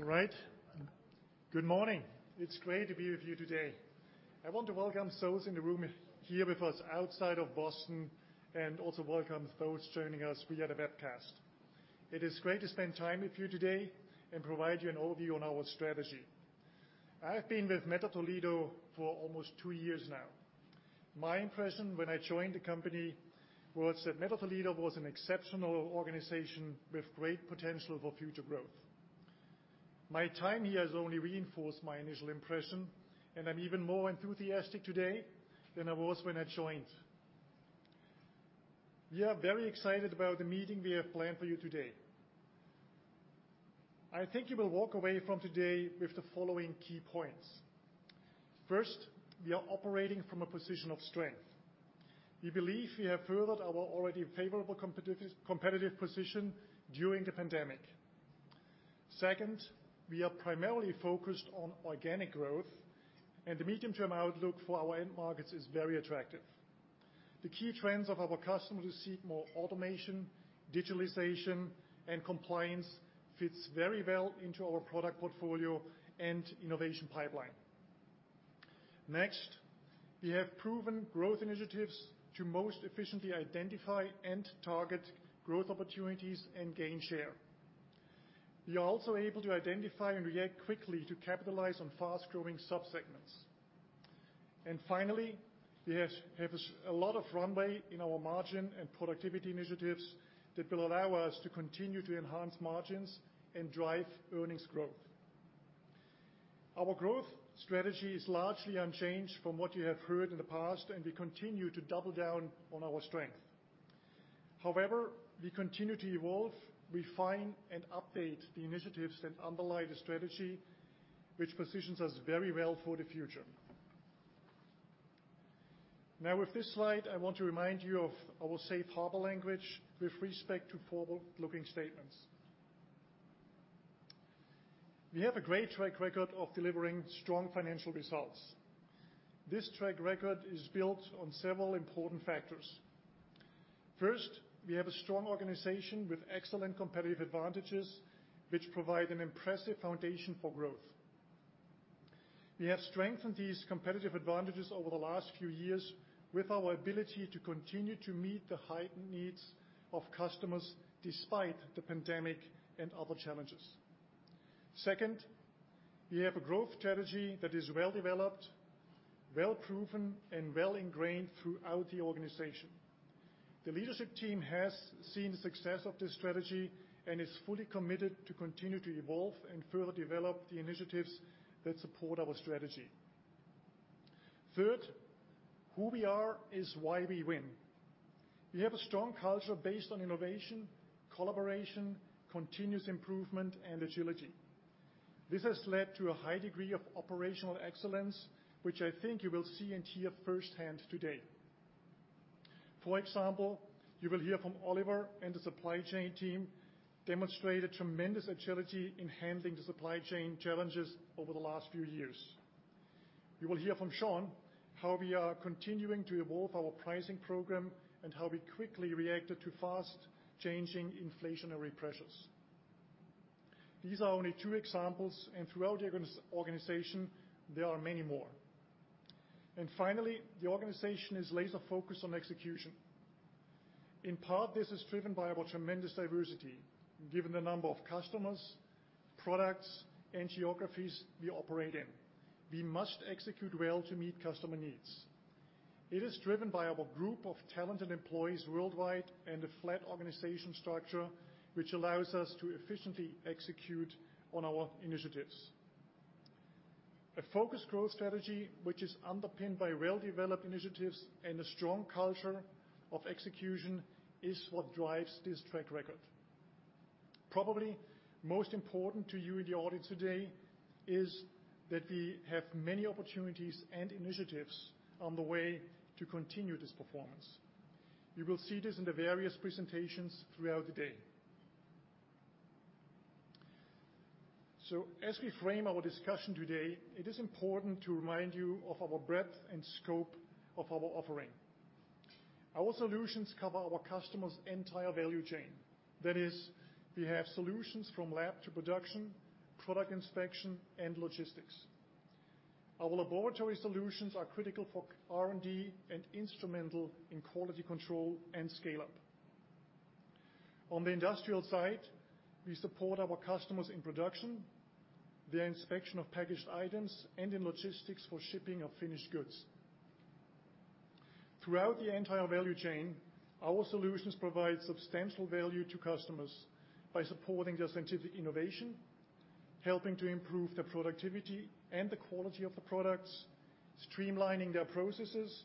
All right. Good morning. It's great to be with you today. I want to welcome those in the room here with us outside of Boston, and also welcome those joining us via the webcast. It is great to spend time with you today and provide you an overview on our strategy. I have been with Mettler-Toledo for almost two years now. My impression when I joined the company was that Mettler-Toledo was an exceptional organization with great potential for future growth. My time here has only reinforced my initial impression, and I'm even more enthusiastic today than I was when I joined. We are very excited about the meeting we have planned for you today. I think you will walk away from today with the following key points. First, we are operating from a position of strength. We believe we have furthered our already favorable competitive position during the pandemic. Second, we are primarily focused on organic growth, and the medium-term outlook for our end markets is very attractive. The key trends of our customers who seek more automation, digitalization, and compliance fits very well into our product portfolio and innovation pipeline. Next, we have proven growth initiatives to most efficiently identify and target growth opportunities and gain share. We are also able to identify and react quickly to capitalize on fast-growing sub-segments. Finally, we have a lot of runway in our margin and productivity initiatives that will allow us to continue to enhance margins and drive earnings growth. Our growth strategy is largely unchanged from what you have heard in the past, and we continue to double down on our strength. However, we continue to evolve, refine, and update the initiatives that underlie the strategy, which positions us very well for the future. Now with this slide, I want to remind you of our safe harbor language with respect to forward-looking statements. We have a great track record of delivering strong financial results. This track record is built on several important factors. First, we have a strong organization with excellent competitive advantages, which provide an impressive foundation for growth. We have strengthened these competitive advantages over the last few years with our ability to continue to meet the heightened needs of customers despite the pandemic and other challenges. Second, we have a growth strategy that is well-developed, well-proven, and well-ingrained throughout the organization. The leadership team has seen the success of this strategy and is fully committed to continue to evolve and further develop the initiatives that support our strategy. Third, who we are is why we win. We have a strong culture based on innovation, collaboration, continuous improvement, and agility. This has led to a high degree of operational excellence, which I think you will see and hear firsthand today. For example, you will hear from Oliver and the supply chain team demonstrate a tremendous agility in handling the supply chain challenges over the last few years. You will hear from Shawn how we are continuing to evolve our pricing program and how we quickly reacted to fast-changing inflationary pressures. These are only two examples, and throughout the organization, there are many more. Finally, the organization is laser focused on execution. In part, this is driven by our tremendous diversity, given the number of customers, products, and geographies we operate in. We must execute well to meet customer needs. It is driven by our group of talented employees worldwide and a flat organization structure which allows us to efficiently execute on our initiatives. A focused growth strategy, which is underpinned by well-developed initiatives and a strong culture of execution, is what drives this track record. Probably most important to you in the audience today is that we have many opportunities and initiatives on the way to continue this performance. You will see this in the various presentations throughout the day. As we frame our discussion today, it is important to remind you of our breadth and scope of our offering. Our solutions cover our customers' entire value chain. That is, we have solutions from lab to production, Product Inspection, and logistics. Our laboratory solutions are critical for R&D and instrumental in quality control and scale-up. On the industrial side, we support our customers in production, the inspection of packaged items, and in logistics for shipping of finished goods. Throughout the entire value chain, our solutions provide substantial value to customers by supporting their scientific innovation, helping to improve their productivity and the quality of the products, streamlining their processes,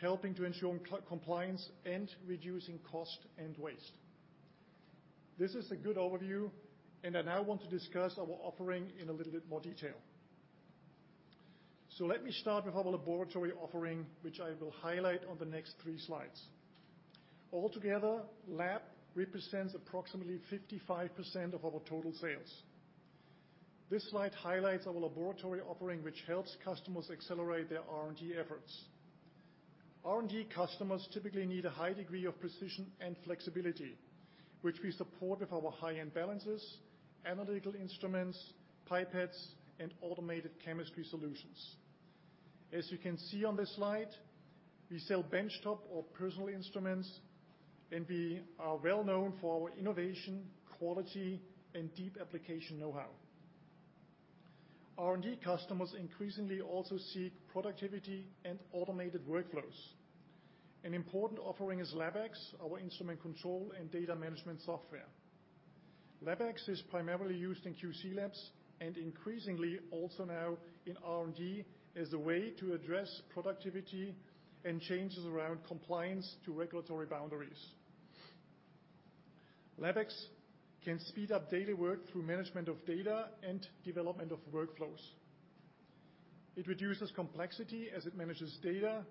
helping to ensure compliance, and reducing cost and waste. This is a good overview, and I now want to discuss our offering in a little bit more detail. Let me start with our laboratory offering, which I will highlight on the next three slides. Altogether, lab represents approximately 55% of our total sales. This slide highlights our laboratory offering, which helps customers accelerate their R&D efforts. R&D customers typically need a high degree of precision and flexibility, which we support with our high-end balances, analytical instruments, pipettes, and automated chemistry solutions. As you can see on this slide, we sell benchtop or personal instruments, and we are well-known for our innovation, quality, and deep application know-how. R&D customers increasingly also seek productivity and automated workflows. An important offering is LabX, our instrument control and data management software. LabX is primarily used in QC labs and increasingly also now in R&D as a way to address productivity and changes around compliance to regulatory boundaries. LabX can speed up daily work through management of data and development of workflows. It reduces complexity as it manages data,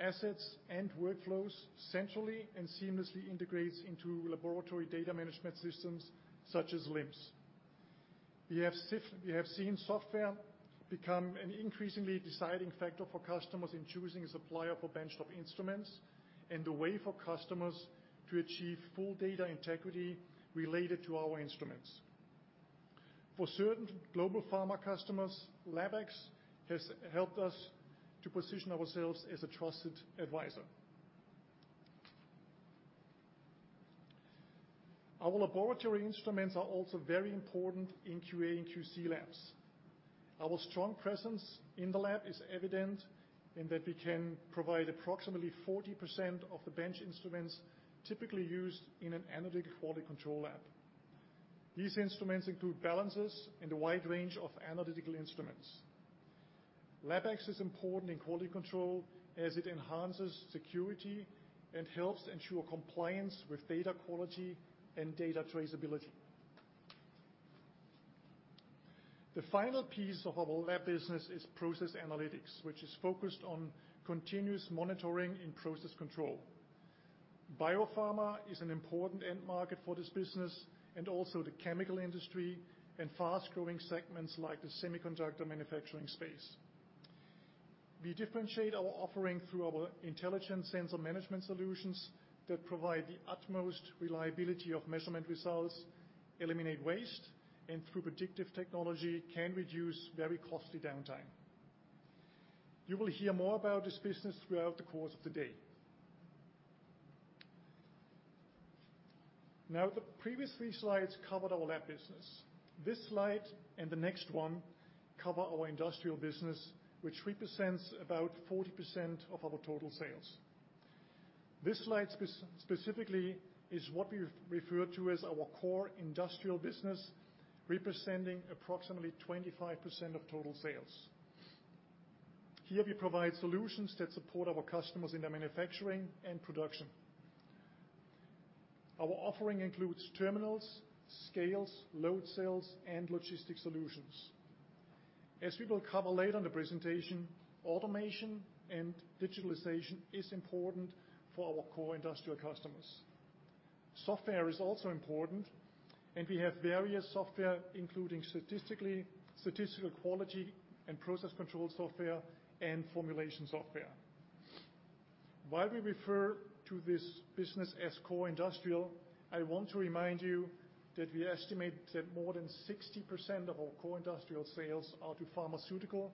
assets, and workflows centrally and seamlessly integrates into laboratory data management systems such as LIMS. We have seen software become an increasingly deciding factor for customers in choosing a supplier for benchtop instruments and the way for customers to achieve full data integrity related to our instruments. For certain global pharma customers, LabX has helped us to position ourselves as a trusted advisor. Our laboratory instruments are also very important in QA and QC labs. Our strong presence in the lab is evident in that we can provide approximately 40% of the bench instruments typically used in an analytical quality control lab. These instruments include balances and a wide range of analytical instruments. LabX is important in quality control as it enhances security and helps ensure compliance with data quality and data traceability. The final piece of our lab business is Process Analytics, which is focused on continuous monitoring and process control. Biopharma is an important end market for this business and also the chemical industry and fast-growing segments like the semiconductor manufacturing space. We differentiate our offering through our intelligent sensor management solutions that provide the utmost reliability of measurement results, eliminate waste, and through predictive technology, can reduce very costly downtime. You will hear more about this business throughout the course of the day. Now, the previous three slides covered our lab business. This slide and the next one cover our industrial business, which represents about 40% of our total sales. This slide specifically is what we refer to as our core industrial business, representing approximately 25% of total sales. Here we provide solutions that support our customers in their manufacturing and production. Our offering includes terminals, scales, load cells, and logistics solutions. As we will cover later in the presentation, automation and digitalization is important for our core industrial customers. Software is also important, and we have various software, including statistical quality and process control software and formulation software. While we refer to this business as core industrial, I want to remind you that we estimate that more than 60% of our core industrial sales are to pharmaceutical,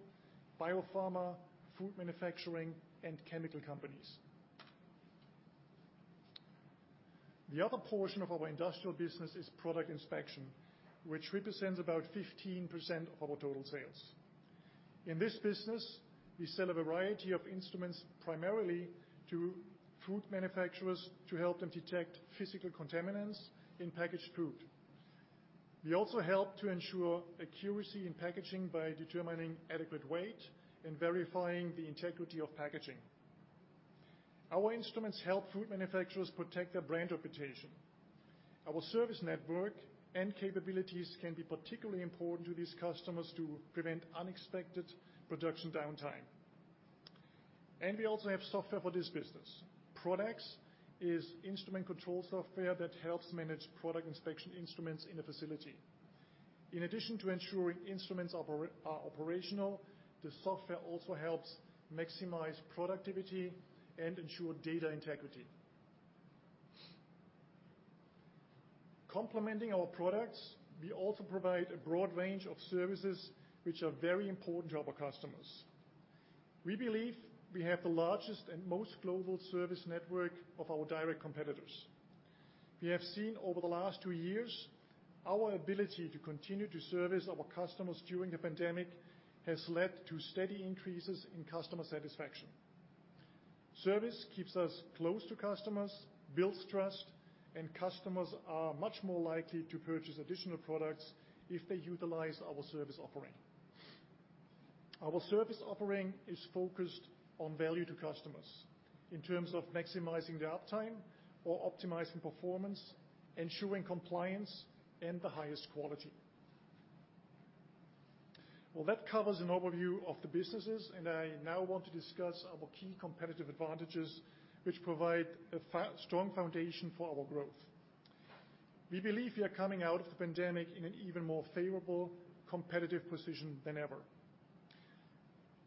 biopharma, food manufacturing, and chemical companies. The other portion of our industrial business is Product Inspection, which represents about 15% of our total sales. In this business, we sell a variety of instruments primarily to food manufacturers to help them detect physical contaminants in packaged food. We also help to ensure accuracy in packaging by determining adequate weight and verifying the integrity of packaging. Our instruments help food manufacturers protect their brand reputation. Our service network and capabilities can be particularly important to these customers to prevent unexpected production downtime. We also have software for this business. ProdX is instrument control software that helps manage product inspection instruments in a facility. In addition to ensuring instruments are operational, the software also helps maximize productivity and ensure data integrity. Complementing our products, we also provide a broad range of services which are very important to our customers. We believe we have the largest and most global service network of our direct competitors. We have seen over the last two years our ability to continue to service our customers during the pandemic has led to steady increases in customer satisfaction. Service keeps us close to customers, builds trust, and customers are much more likely to purchase additional products if they utilize our service offering. Our service offering is focused on value to customers in terms of maximizing their uptime or optimizing performance, ensuring compliance and the highest quality. Well, that covers an overview of the businesses, and I now want to discuss our key competitive advantages which provide a strong foundation for our growth. We believe we are coming out of the pandemic in an even more favorable competitive position than ever.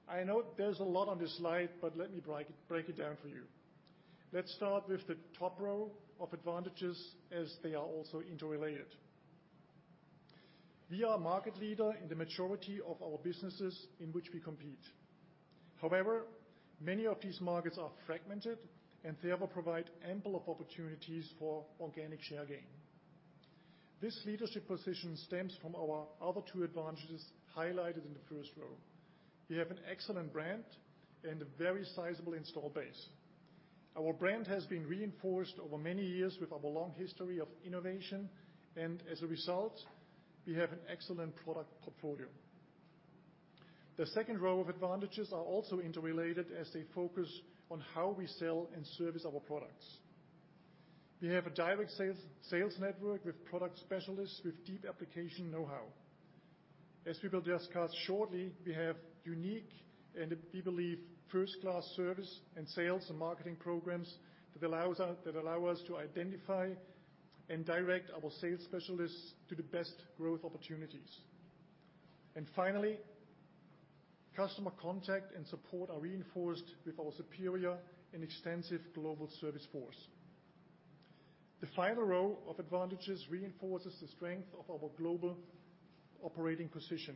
I know there's a lot on this slide, but let me break it down for you. Let's start with the top row of advantages as they are also interrelated. We are a market leader in the majority of our businesses in which we compete. However, many of these markets are fragmented and therefore provide ample opportunities for organic share gain. This leadership position stems from our other two advantages highlighted in the first row. We have an excellent brand and a very sizable install base. Our brand has been reinforced over many years with our long history of innovation, and as a result, we have an excellent product portfolio. The second row of advantages are also interrelated as they focus on how we sell and service our products. We have a direct sales network with product specialists with deep application know-how. As we will discuss shortly, we have unique and, we believe, first-class service and sales and marketing programs that allow us to identify and direct our sales specialists to the best growth opportunities. Finally, customer contact and support are reinforced with our superior and extensive global service force. The final row of advantages reinforces the strength of our global operating position.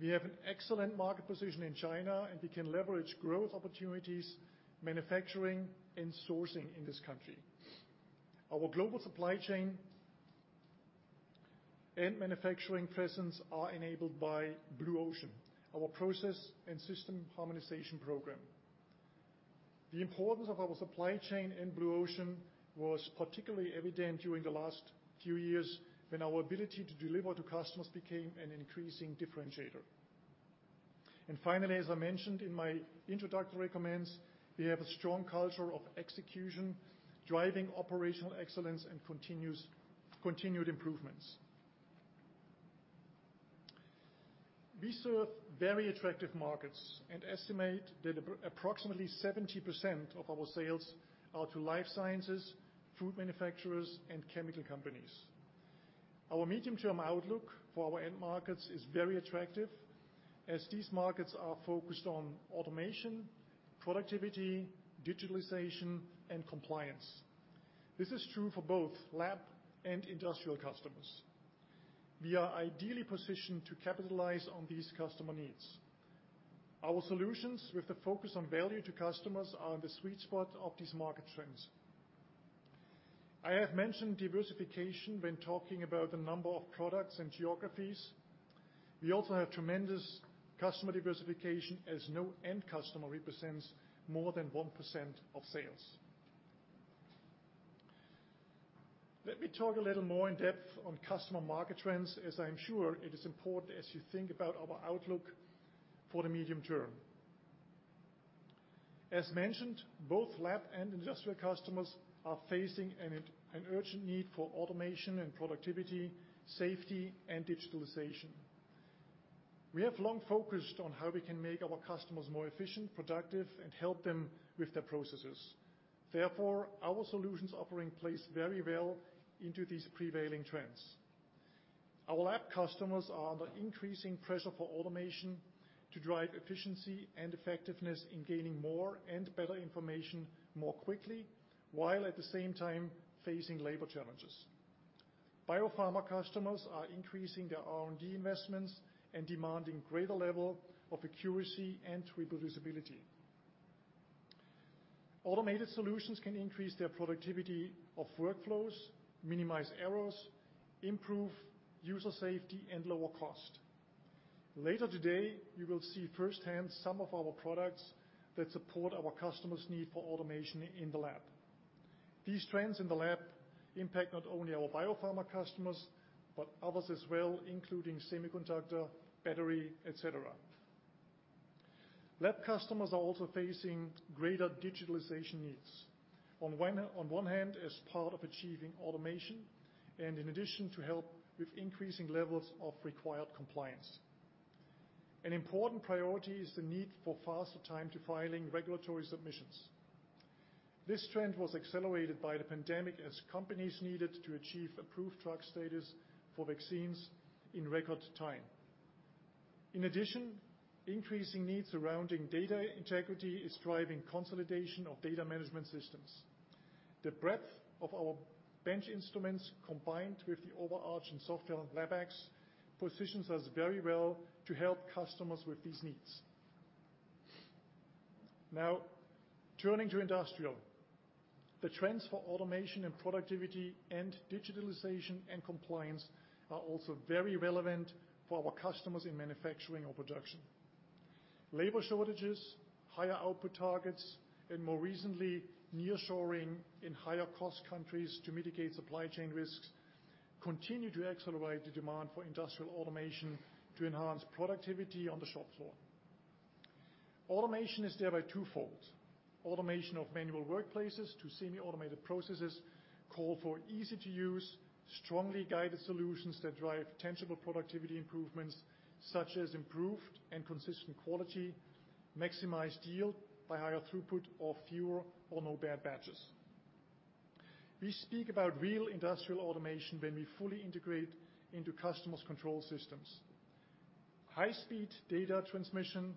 We have an excellent market position in China, and we can leverage growth opportunities, manufacturing and sourcing in this country. Our global supply chain and manufacturing presence are enabled by Blue Ocean, our process and system harmonization program. The importance of our supply chain in Blue Ocean was particularly evident during the last few years when our ability to deliver to customers became an increasing differentiator. Finally, as I mentioned in my introductory comments, we have a strong culture of execution, driving operational excellence, and continued improvements. We serve very attractive markets and estimate that approximately 70% of our sales are to life sciences, food manufacturers, and chemical companies. Our medium-term outlook for our end markets is very attractive as these markets are focused on automation, productivity, digitalization, and compliance. This is true for both lab and industrial customers. We are ideally positioned to capitalize on these customer needs. Our solutions with the focus on value to customers are in the sweet spot of these market trends. I have mentioned diversification when talking about the number of products and geographies. We also have tremendous customer diversification as no end customer represents more than 1% of sales. Let me talk a little more in depth on customer market trends, as I am sure it is important as you think about our outlook for the medium term. As mentioned, both lab and industrial customers are facing an urgent need for automation and productivity, safety, and digitalization. We have long focused on how we can make our customers more efficient, productive, and help them with their processes. Therefore, our solutions offering plays very well into these prevailing trends. Our lab customers are under increasing pressure for automation to drive efficiency and effectiveness in gaining more and better information more quickly, while at the same time facing labor challenges. Biopharma customers are increasing their R&D investments and demanding greater level of accuracy and reproducibility. Automated solutions can increase their productivity of workflows, minimize errors, improve user safety, and lower cost. Later today, you will see firsthand some of our products that support our customers' need for automation in the lab. These trends in the lab impact not only our biopharma customers, but others as well, including semiconductor, battery, etc. Lab customers are also facing greater digitalization needs. On one hand, as part of achieving automation and in addition to help with increasing levels of required compliance, an important priority is the need for faster time to filing regulatory submissions. This trend was accelerated by the pandemic as companies needed to achieve approved drug status for vaccines in record time. In addition, increasing needs surrounding data integrity is driving consolidation of data management systems. The breadth of our bench instruments, combined with the overarching software LabX, positions us very well to help customers with these needs. Now, turning to industrial. The trends for automation and productivity and digitalization and compliance are also very relevant for our customers in manufacturing or production. Labor shortages, higher output targets, and more recently, nearshoring in higher cost countries to mitigate supply chain risks continue to accelerate the demand for industrial automation to enhance productivity on the shop floor. Automation is thereby twofold. Automation of manual workplaces to semiautomated processes call for easy-to-use, strongly guided solutions that drive tangible productivity improvements, such as improved and consistent quality, maximized yield by higher throughput or fewer or no bad batches. We speak about real industrial automation when we fully integrate into customers' control systems. High-speed data transmission,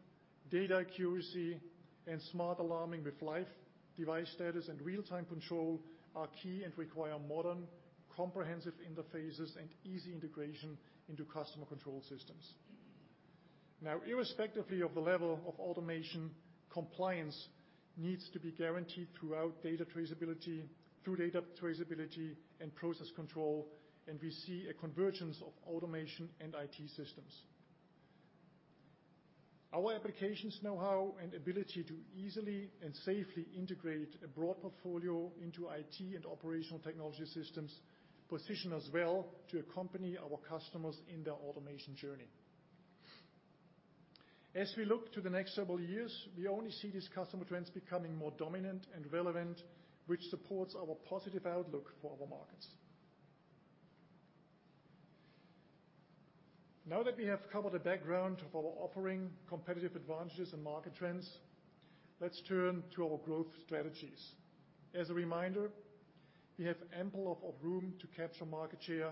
data accuracy, and smart alarming with live device status and real-time control are key and require modern, comprehensive interfaces and easy integration into customer control systems. Now, irrespectively of the level of automation, compliance needs to be guaranteed throughout data traceability and process control, and we see a convergence of automation and IT systems. Our applications know-how and ability to easily and safely integrate a broad portfolio into IT and operational technology systems position us well to accompany our customers in their automation journey. As we look to the next several years, we only see these customer trends becoming more dominant and relevant, which supports our positive outlook for our markets. Now that we have covered the background of our offering, competitive advantages, and market trends, let's turn to our growth strategies. As a reminder, we have ample room to capture market share.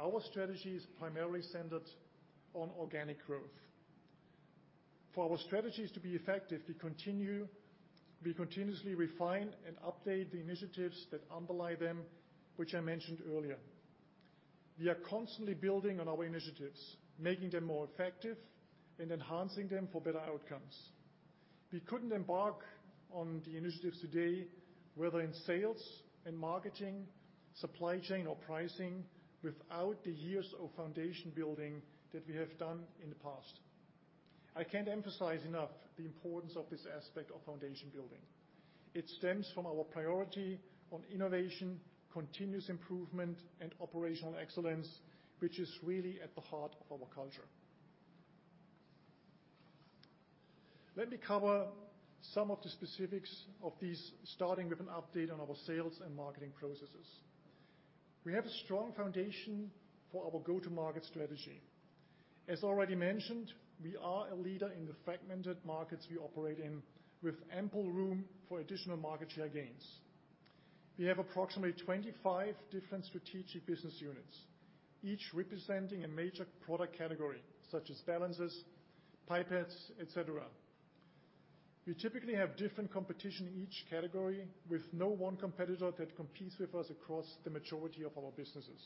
Our strategy is primarily centered on organic growth. For our strategies to be effective, we continuously refine and update the initiatives that underlie them, which I mentioned earlier. We are constantly building on our initiatives, making them more effective and enhancing them for better outcomes. We couldn't embark on the initiatives today, whether in sales and marketing, supply chain or pricing, without the years of foundation building that we have done in the past. I can't emphasize enough the importance of this aspect of foundation building. It stems from our priority on innovation, continuous improvement, and operational excellence, which is really at the heart of our culture. Let me cover some of the specifics of these, starting with an update on our sales and marketing processes. We have a strong foundation for our go-to-market strategy. As already mentioned, we are a leader in the fragmented markets we operate in, with ample room for additional market share gains. We have approximately 25 different strategic business units, each representing a major product category, such as balances, pipettes, etc. We typically have different competition in each category, with no one competitor that competes with us across the majority of our businesses.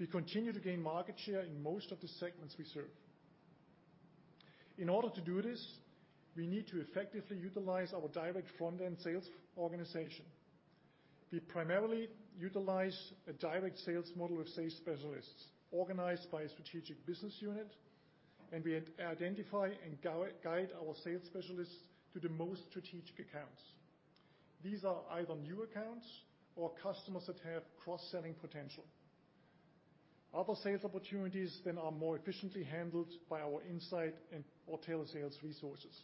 We continue to gain market share in most of the segments we serve. In order to do this, we need to effectively utilize our direct front-end sales organization. We primarily utilize a direct sales model of sales specialists organized by a strategic business unit, and we identify and guide our sales specialists to the most strategic accounts. These are either new accounts or customers that have cross-selling potential. Other sales opportunities are more efficiently handled by our inside or telesales resources.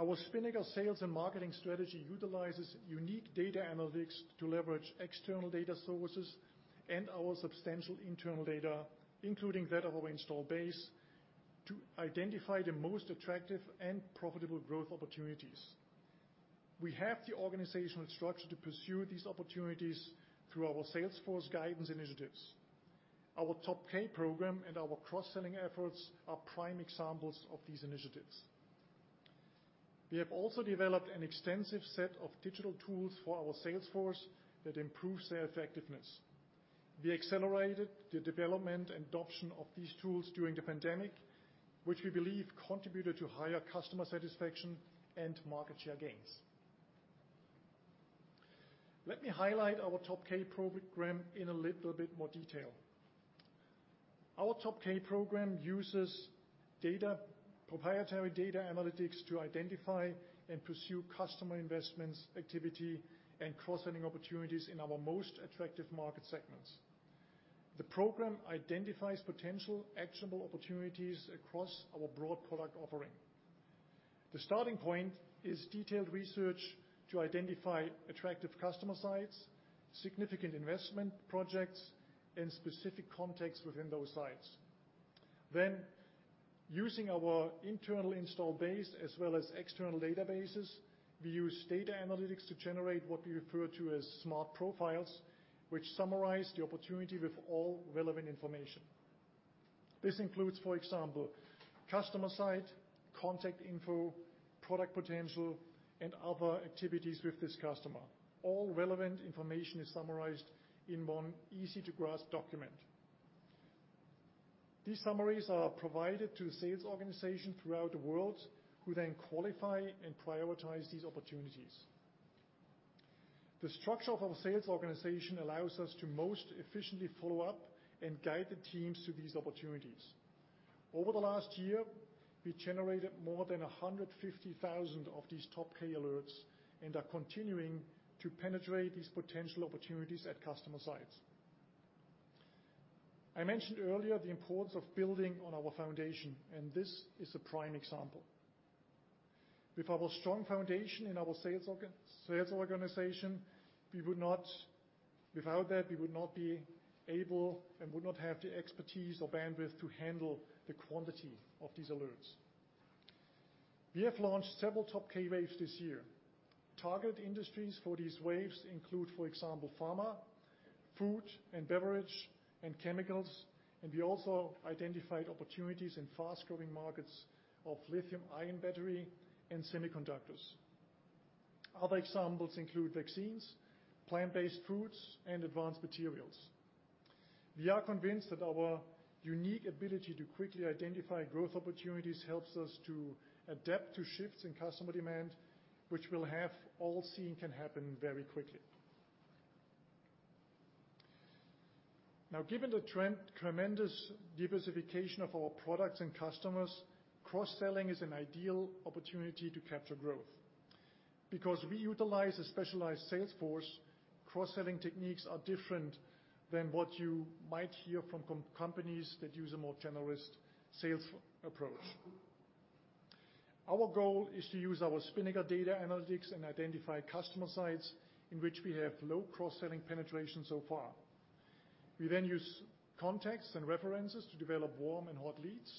Our Spinnaker sales and marketing strategy utilizes unique data analytics to leverage external data sources and our substantial internal data, including that of our installed base, to identify the most attractive and profitable growth opportunities. We have the organizational structure to pursue these opportunities through our sales force guidance initiatives. Our TopK program and our cross-selling efforts are prime examples of these initiatives. We have also developed an extensive set of digital tools for our sales force that improves their effectiveness. We accelerated the development and adoption of these tools during the pandemic, which we believe contributed to higher customer satisfaction and market share gains. Let me highlight our TopK program in a little bit more detail. Our TopK program uses data, proprietary data analytics to identify and pursue customer investments, activity, and cross-selling opportunities in our most attractive market segments. The program identifies potential actionable opportunities across our broad product offering. The starting point is detailed research to identify attractive customer sites, significant investment projects, and specific context within those sites. Using our internal installed base as well as external databases, we use data analytics to generate what we refer to as smart profiles, which summarize the opportunity with all relevant information. This includes, for example, customer site, contact info, product potential, and other activities with this customer. All relevant information is summarized in one easy-to-grasp document. These summaries are provided to sales organizations throughout the world, who then qualify and prioritize these opportunities. The structure of our sales organization allows us to most efficiently follow up and guide the teams to these opportunities. Over the last year, we generated more than 150,000 of these Top K alerts and are continuing to penetrate these potential opportunities at customer sites. I mentioned earlier the importance of building on our foundation, and this is a prime example. With our strong foundation in our sales organization, without that, we would not be able and would not have the expertise or bandwidth to handle the quantity of these alerts. We have launched several Top K waves this year. Target industries for these waves include, for example, pharma, food and beverage, and chemicals, and we also identified opportunities in fast-growing markets of lithium-ion battery and semiconductors. Other examples include vaccines, plant-based foods, and advanced materials. We are convinced that our unique ability to quickly identify growth opportunities helps us to adapt to shifts in customer demand, which we have all seen can happen very quickly. Now, given the tremendous diversification of our products and customers, cross-selling is an ideal opportunity to capture growth. Because we utilize a specialized sales force, cross-selling techniques are different than what you might hear from companies that use a more generalist sales approach. Our goal is to use our Spinnaker data analytics and identify customer sites in which we have low cross-selling penetration so far. We use context and references to develop warm and hot leads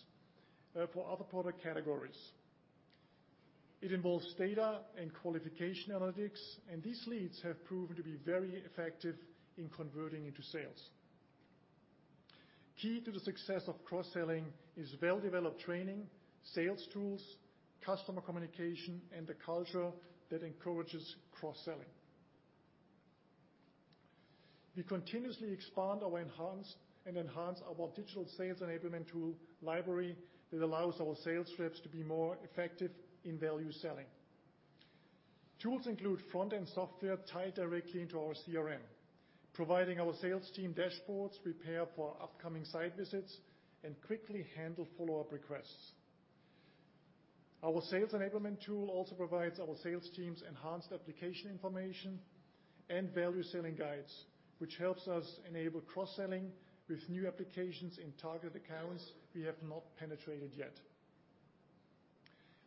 for other product categories. It involves data and qualification analytics, and these leads have proven to be very effective in converting into sales. Key to the success of cross-selling is well-developed training, sales tools, customer communication, and a culture that encourages cross-selling. We continuously expand or enhance our digital sales enablement tool library that allows our sales reps to be more effective in value selling. Tools include front-end software tied directly into our CRM, providing our sales team dashboards, prepare for upcoming site visits, and quickly handle follow-up requests. Our sales enablement tool also provides our sales teams enhanced application information and value-selling guides, which helps us enable cross-selling with new applications in target accounts we have not penetrated yet.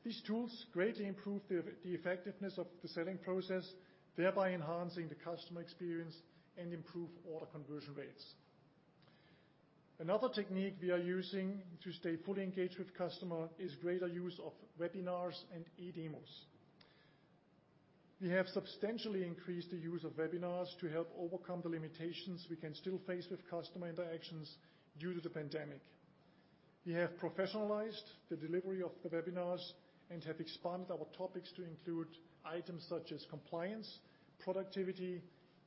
These tools greatly improve the effectiveness of the selling process, thereby enhancing the customer experience and improve order conversion rates. Another technique we are using to stay fully engaged with customer is greater use of webinars and e-demos. We have substantially increased the use of webinars to help overcome the limitations we can still face with customer interactions due to the pandemic. We have professionalized the delivery of the webinars and have expanded our topics to include items such as compliance, productivity,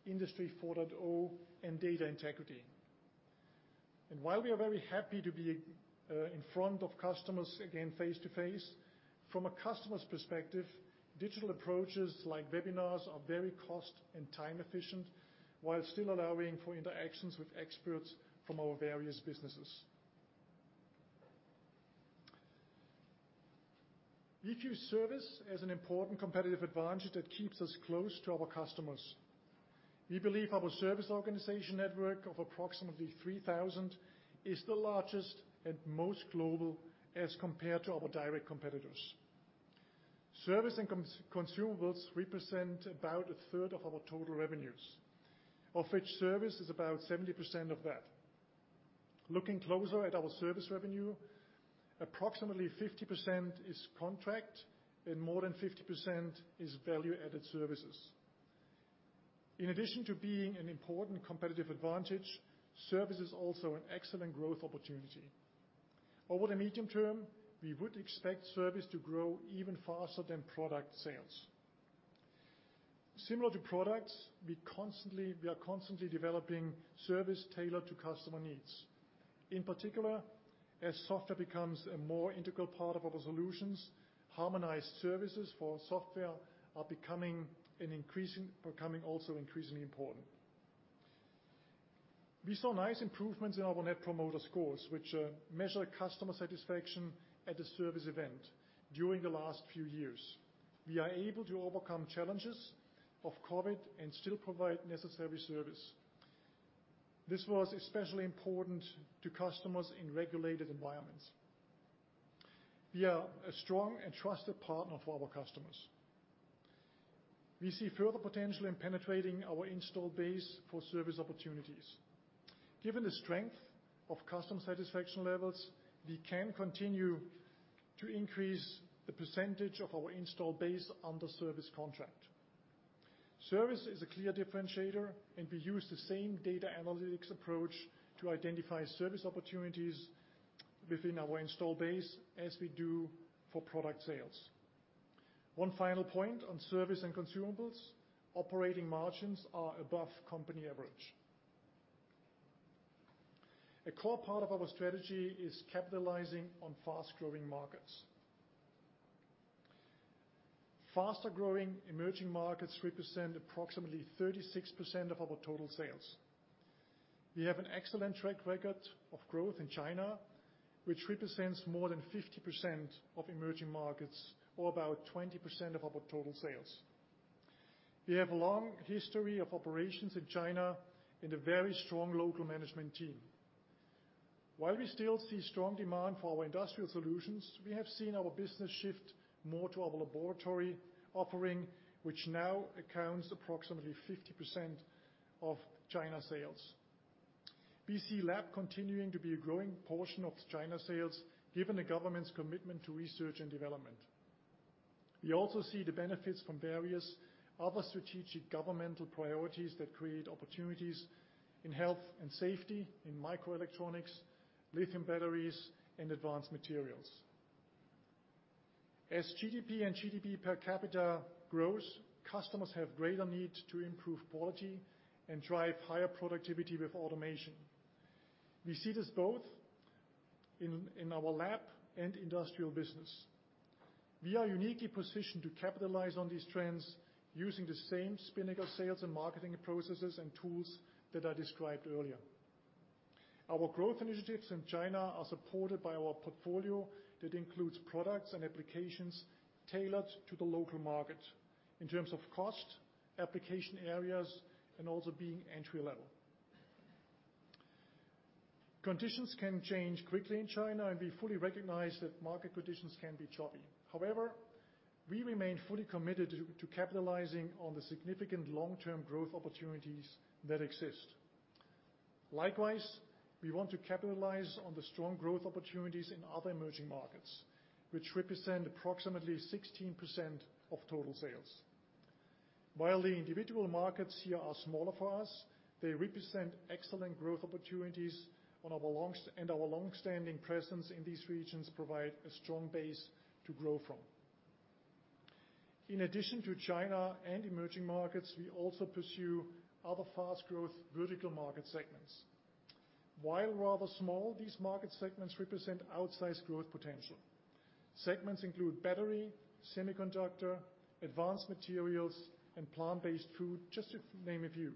Industry 4.0, and data integrity. While we are very happy to be in front of customers again face to face, from a customer's perspective, digital approaches like webinars are very cost and time efficient, while still allowing for interactions with experts from our various businesses. We view service as an important competitive advantage that keeps us close to our customers. We believe our service organization network of approximately 3,000 is the largest and most global as compared to our direct competitors. Service and consumables represent about 1/3 of our total revenues, of which service is about 70% of that. Looking closer at our service revenue, approximately 50% is contract and more than 50% is value-added services. In addition to being an important competitive advantage, service is also an excellent growth opportunity. Over the medium term, we would expect service to grow even faster than product sales. Similar to products, we are constantly developing service tailored to customer needs. In particular, as software becomes a more integral part of our solutions, harmonized services for software are becoming also increasingly important. We saw nice improvements in our Net Promoter Scores, which measure customer satisfaction at a service event during the last few years. We are able to overcome challenges of COVID and still provide necessary service. This was especially important to customers in regulated environments. We are a strong and trusted partner for our customers. We see further potential in penetrating our installed base for service opportunities. Given the strength of customer satisfaction levels, we can continue to increase the percentage of our installed base under service contract. Service is a clear differentiator, and we use the same data analytics approach to identify service opportunities within our installed base as we do for product sales. One final point on service and consumables. Operating margins are above company average. A core part of our strategy is capitalizing on fast-growing markets. Faster-growing emerging markets represent approximately 36% of our total sales. We have an excellent track record of growth in China, which represents more than 50% of emerging markets or about 20% of our total sales. We have a long history of operations in China and a very strong local management team. While we still see strong demand for our industrial solutions, we have seen our business shift more to our laboratory offering, which now accounts approximately 50% of China sales. We see lab continuing to be a growing portion of China sales, given the government's commitment to research and development. We also see the benefits from various other strategic governmental priorities that create opportunities in health and safety, in microelectronics, lithium batteries, and advanced materials. As GDP and GDP per capita grows, customers have greater need to improve quality and drive higher productivity with automation. We see this both in our lab and industrial business. We are uniquely positioned to capitalize on these trends using the same Spinnaker sales and marketing processes and tools that I described earlier. Our growth initiatives in China are supported by our portfolio that includes products and applications tailored to the local market in terms of cost, application areas, and also being entry-level. Conditions can change quickly in China, and we fully recognize that market conditions can be choppy. However, we remain fully committed to capitalizing on the significant long-term growth opportunities that exist. Likewise, we want to capitalize on the strong growth opportunities in other emerging markets, which represent approximately 16% of total sales. While the individual markets here are smaller for us, they represent excellent growth opportunities, and our long-standing presence in these regions provide a strong base to grow from. In addition to China and emerging markets, we also pursue other fast-growth vertical market segments. While rather small, these market segments represent outsized growth potential. Segments include battery, semiconductor, advanced materials, and plant-based food, just to name a few.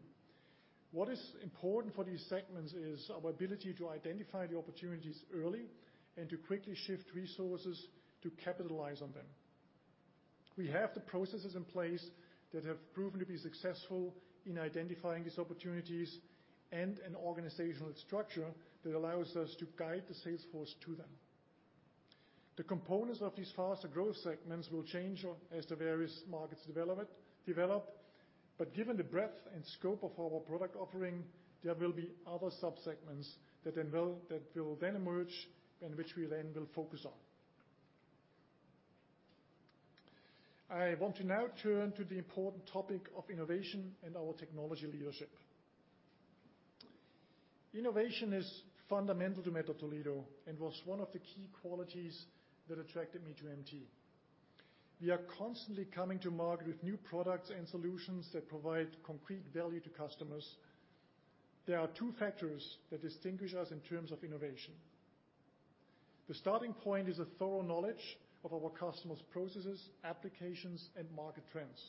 What is important for these segments is our ability to identify the opportunities early and to quickly shift resources to capitalize on them. We have the processes in place that have proven to be successful in identifying these opportunities and an organizational structure that allows us to guide the sales force to them. The components of these faster growth segments will change as the various markets develop, but given the breadth and scope of our product offering, there will be other subsegments that will then emerge and which we then will focus on. I want to now turn to the important topic of innovation and our technology leadership. Innovation is fundamental to Mettler-Toledo and was one of the key qualities that attracted me to MT. We are constantly coming to market with new products and solutions that provide concrete value to customers. There are two factors that distinguish us in terms of innovation. The starting point is a thorough knowledge of our customers' processes, applications, and market trends.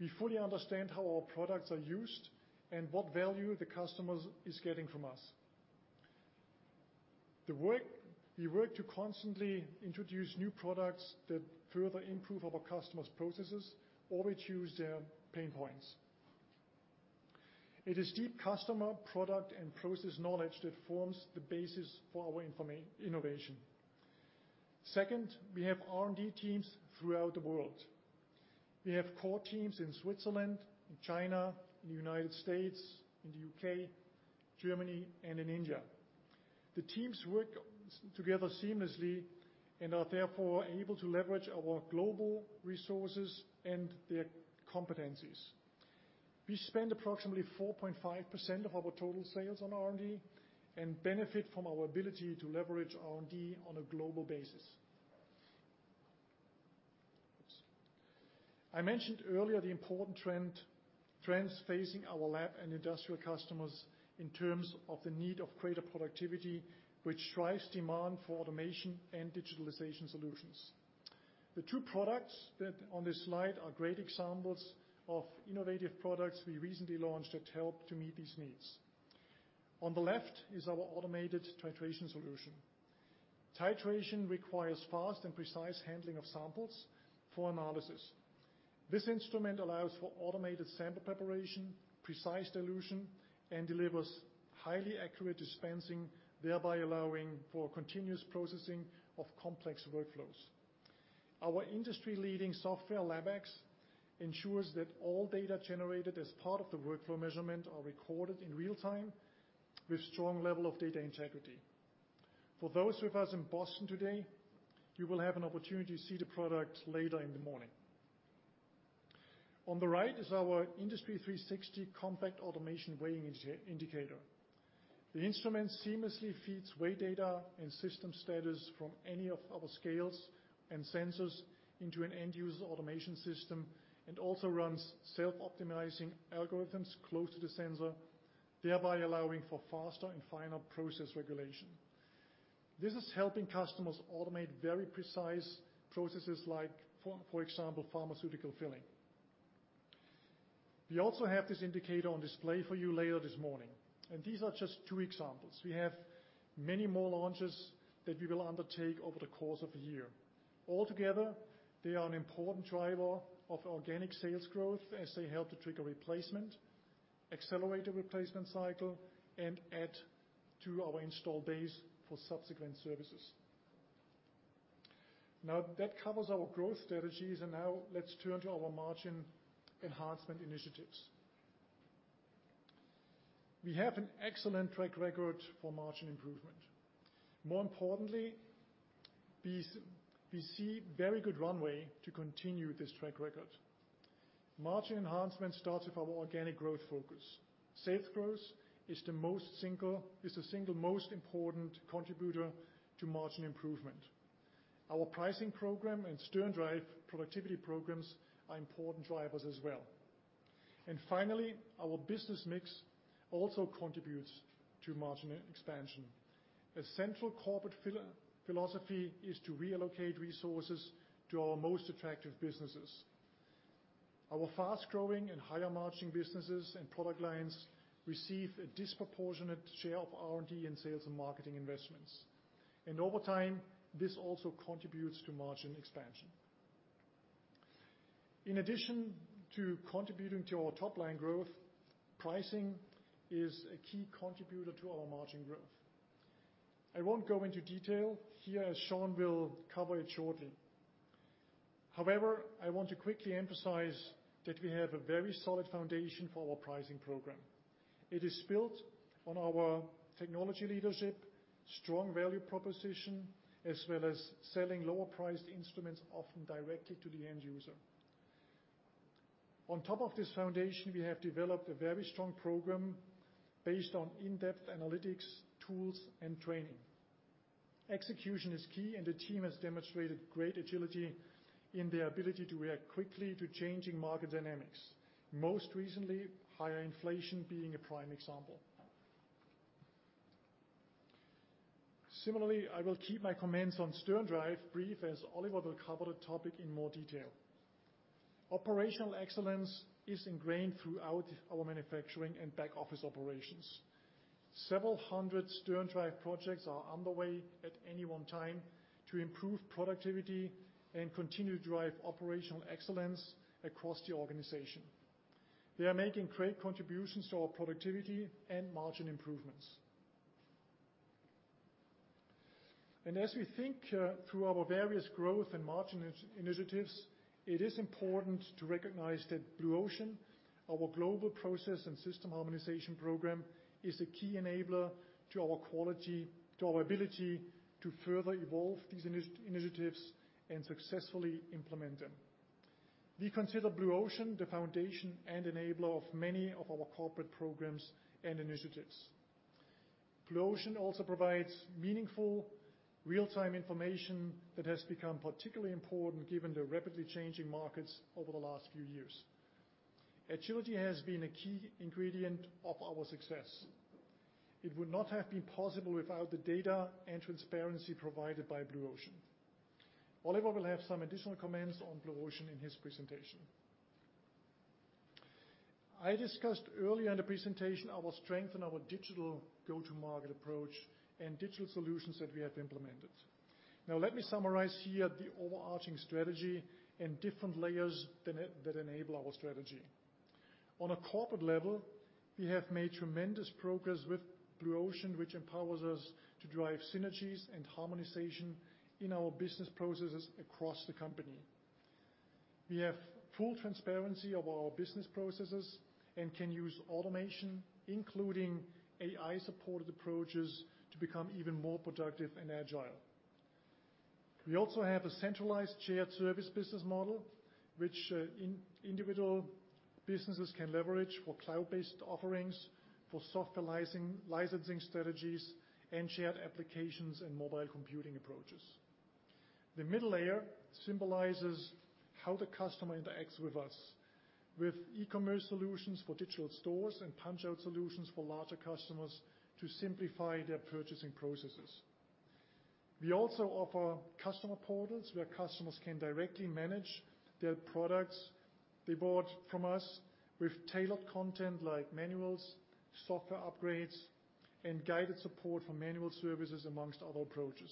We fully understand how our products are used and what value the customers is getting from us. We work to constantly introduce new products that further improve our customers' processes or reduce their pain points. It is deep customer, product, and process knowledge that forms the basis for our innovation. Second, we have R&D teams throughout the world. We have core teams in Switzerland, in China, in the United States, in the U.K., Germany, and in India. The teams work together seamlessly and are therefore able to leverage our global resources and their competencies. We spend approximately 4.5% of our total sales on R&D and benefit from our ability to leverage R&D on a global basis. I mentioned earlier the important trends facing our lab and industrial customers in terms of the need for greater productivity, which drives demand for automation and digitalization solutions. The two products that are on this slide are great examples of innovative products we recently launched that help to meet these needs. On the left is our automated titration solution. Titration requires fast and precise handling of samples for analysis. This instrument allows for automated sample preparation, precise dilution, and delivers highly accurate dispensing, thereby allowing for continuous processing of complex workflows. Our industry-leading software, LabX, ensures that all data generated as part of the workflow measurement are recorded in real time with strong level of data integrity. For those with us in Boston today, you will have an opportunity to see the product later in the morning. On the right is our IND360 compact automation weighing indicator. The instrument seamlessly feeds weight data and system status from any of our scales and sensors into an end-user automation system and also runs self-optimizing algorithms close to the sensor, thereby allowing for faster and finer process regulation. This is helping customers automate very precise processes like, for example, pharmaceutical filling. We also have this indicator on display for you later this morning, and these are just two examples. We have many more launches that we will undertake over the course of the year. Altogether, they are an important driver of organic sales growth as they help to trigger replacement, accelerate the replacement cycle, and add to our install base for subsequent services. Now, that covers our growth strategies, and now let's turn to our margin enhancement initiatives. We have an excellent track record for margin improvement. More importantly, we see very good runway to continue this track record. Margin enhancement starts with our organic growth focus. Sales growth is the single most important contributor to margin improvement. Our pricing program and Stern Drive productivity programs are important drivers as well. Finally, our business mix also contributes to margin expansion. A central corporate philosophy is to reallocate resources to our most attractive businesses. Our fast-growing and higher-margin businesses and product lines receive a disproportionate share of R&D and sales and marketing investments. Over time, this also contributes to margin expansion. In addition to contributing to our top-line growth, pricing is a key contributor to our margin growth. I won't go into detail here, as Shawn will cover it shortly. However, I want to quickly emphasize that we have a very solid foundation for our pricing program. It is built on our technology leadership, strong value proposition, as well as selling lower-priced instruments, often directly to the end user. On top of this foundation, we have developed a very strong program based on in-depth analytics, tools, and training. Execution is key, and the team has demonstrated great agility in their ability to react quickly to changing market dynamics. Most recently, higher inflation being a prime example. Similarly, I will keep my comments on Stern Drive brief, as Oliver will cover the topic in more detail. Operational excellence is ingrained throughout our manufacturing and back-office operations. Several hundred Stern Drive projects are underway at any one time to improve productivity and continue to drive operational excellence across the organization. They are making great contributions to our productivity and margin improvements. As we think through our various growth and margin initiatives, it is important to recognize that Blue Ocean, our global process and system harmonization program, is a key enabler to our quality, to our ability to further evolve these initiatives and successfully implement them. We consider Blue Ocean the foundation and enabler of many of our corporate programs and initiatives. Blue Ocean also provides meaningful real-time information that has become particularly important given the rapidly changing markets over the last few years. Agility has been a key ingredient of our success. It would not have been possible without the data and transparency provided by Blue Ocean. Oliver will have some additional comments on Blue Ocean in his presentation. I discussed earlier in the presentation our strength in our digital go-to-market approach and digital solutions that we have implemented. Now let me summarize here the overarching strategy and different layers that enable our strategy. On a corporate level, we have made tremendous progress with Blue Ocean, which empowers us to drive synergies and harmonization in our business processes across the company. We have full transparency of our business processes and can use automation, including AI-supported approaches, to become even more productive and agile. We also have a centralized shared service business model, which individual businesses can leverage for cloud-based offerings, for software licensing strategies, and shared applications and mobile computing approaches. The middle layer symbolizes how the customer interacts with us with e-commerce solutions for digital stores and punch-out solutions for larger customers to simplify their purchasing processes. We also offer customer portals where customers can directly manage their products they bought from us with tailored content like manuals, software upgrades, and guided support for manual services, among other approaches.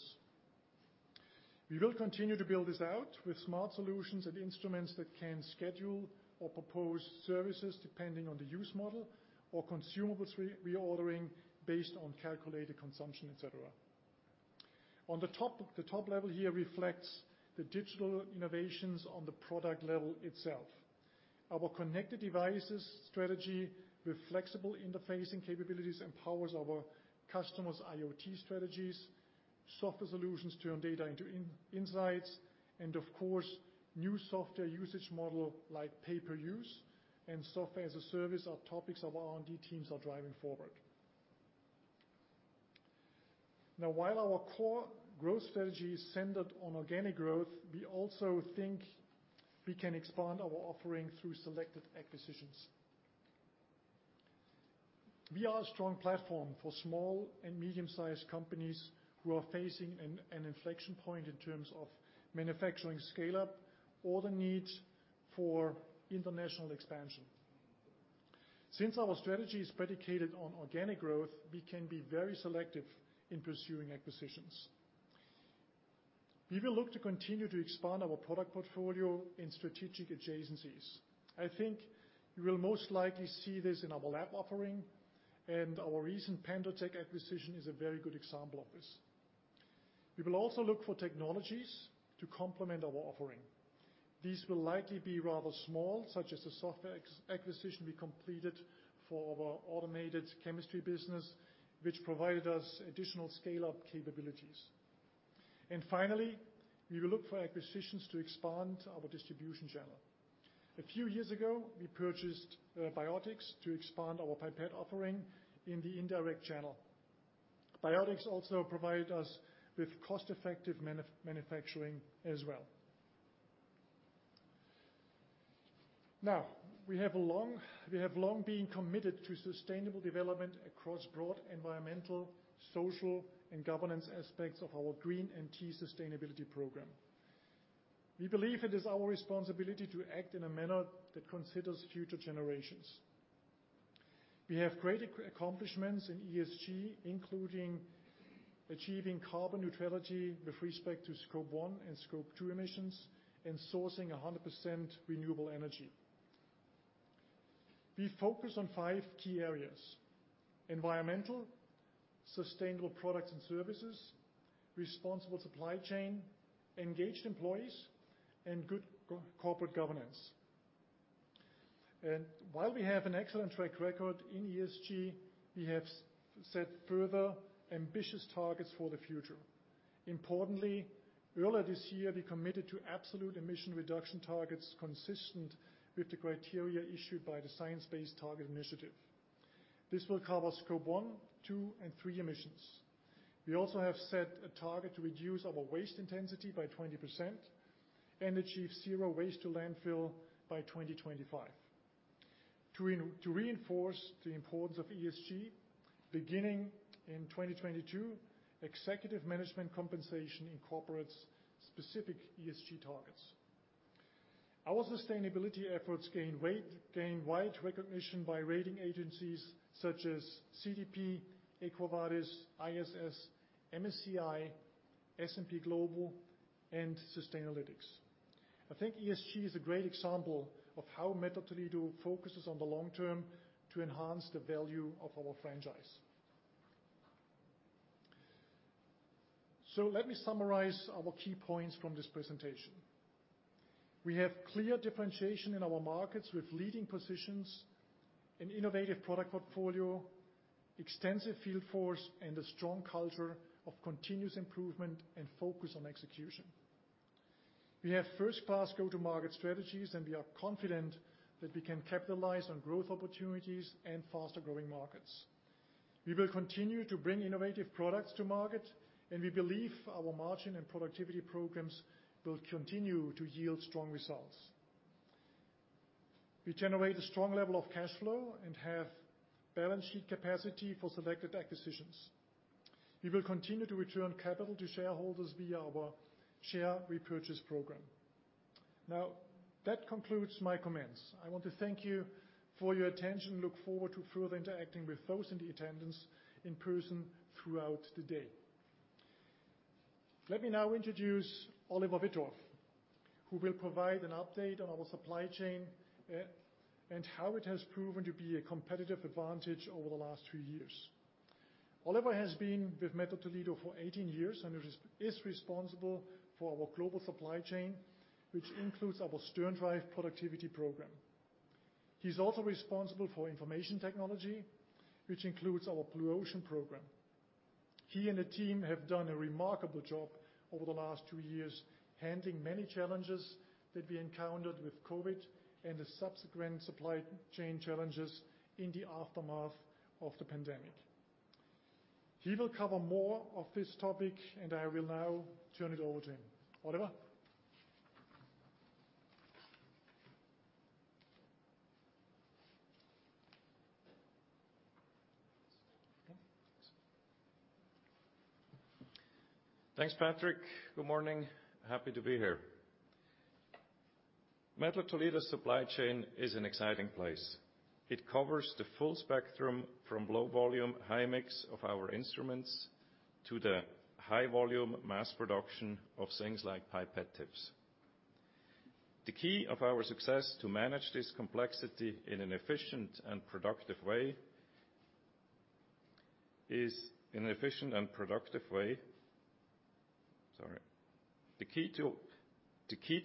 We will continue to build this out with smart solutions and instruments that can schedule or propose services depending on the use model or consumables reordering based on calculated consumption, etc. On the top, the top level here reflects the digital innovations on the product level itself. Our connected devices strategy with flexible interfacing capabilities empowers our customers' IoT strategies, software solutions turn data into insights, and of course, new software usage model like pay-per-use and software as a service are topics our R&D teams are driving forward. Now, while our core growth strategy is centered on organic growth, we also think we can expand our offering through selected acquisitions. We are a strong platform for small and medium-sized companies who are facing an inflection point in terms of manufacturing scale-up or the need for international expansion. Since our strategy is predicated on organic growth, we can be very selective in pursuing acquisitions. We will look to continue to expand our product portfolio in strategic adjacencies. I think you will most likely see this in our lab offering, and our recent PendoTECH acquisition is a very good example of this. We will also look for technologies to complement our offering. These will likely be rather small, such as the software acquisition we completed for our automated chemistry business, which provided us additional scale-up capabilities. Finally, we will look for acquisitions to expand our distribution channel. A few years ago, we purchased Biotix to expand our pipette offering in the indirect channel. Biotix also provided us with cost-effective manufacturing as well. We have long been committed to sustainable development across broad environmental, social, and governance aspects of our GreenMT sustainability program. We believe it is our responsibility to act in a manner that considers future generations. We have great accomplishments in ESG, including achieving carbon neutrality with respect to Scope 1 and Scope 2 emissions, and sourcing 100% renewable energy. We focus on five key areas, environmental, sustainable products and services, responsible supply chain, engaged employees, and good corporate governance. While we have an excellent track record in ESG, we have set further ambitious targets for the future. Importantly, earlier this year, we committed to absolute emission reduction targets consistent with the criteria issued by the Science Based Targets initiative. This will cover Scope 1, 2, and 3 emissions. We also have set a target to reduce our waste intensity by 20% and achieve zero waste to landfill by 2025. To reinforce the importance of ESG, beginning in 2022, executive management compensation incorporates specific ESG targets. Our sustainability efforts gain wide recognition by rating agencies such as CDP, EcoVadis, ISS, MSCI, S&P Global, and Sustainalytics. I think ESG is a great example of how Mettler-Toledo focuses on the long term to enhance the value of our franchise. Let me summarize our key points from this presentation. We have clear differentiation in our markets with leading positions, an innovative product portfolio, extensive field force, and a strong culture of continuous improvement and focus on execution. We have first-class go-to-market strategies, and we are confident that we can capitalize on growth opportunities and faster-growing markets. We will continue to bring innovative products to market, and we believe our margin and productivity programs will continue to yield strong results. We generate a strong level of cash flow and have balance sheet capacity for selected acquisitions. We will continue to return capital to shareholders via our share repurchase program. Now, that concludes my comments. I want to thank you for your attention and look forward to further interacting with those in attendance in person throughout the day. Let me now introduce Oliver Wittorf, who will provide an update on our supply chain, and how it has proven to be a competitive advantage over the last three years. Oliver has been with Mettler-Toledo for 18 years and is responsible for our global supply chain, which includes our Stern Drive productivity program. He's also responsible for information technology, which includes our Blue Ocean program. He and the team have done a remarkable job over the last two years, handling many challenges that we encountered with COVID and the subsequent supply chain challenges in the aftermath of the pandemic. He will cover more of this topic, and I will now turn it over to him. Oliver? Thanks, Patrick. Good morning. Happy to be here. Mettler-Toledo's supply chain is an exciting place. It covers the full spectrum from low volume, high mix of our instruments to the high volume mass production of things like pipette tips. The key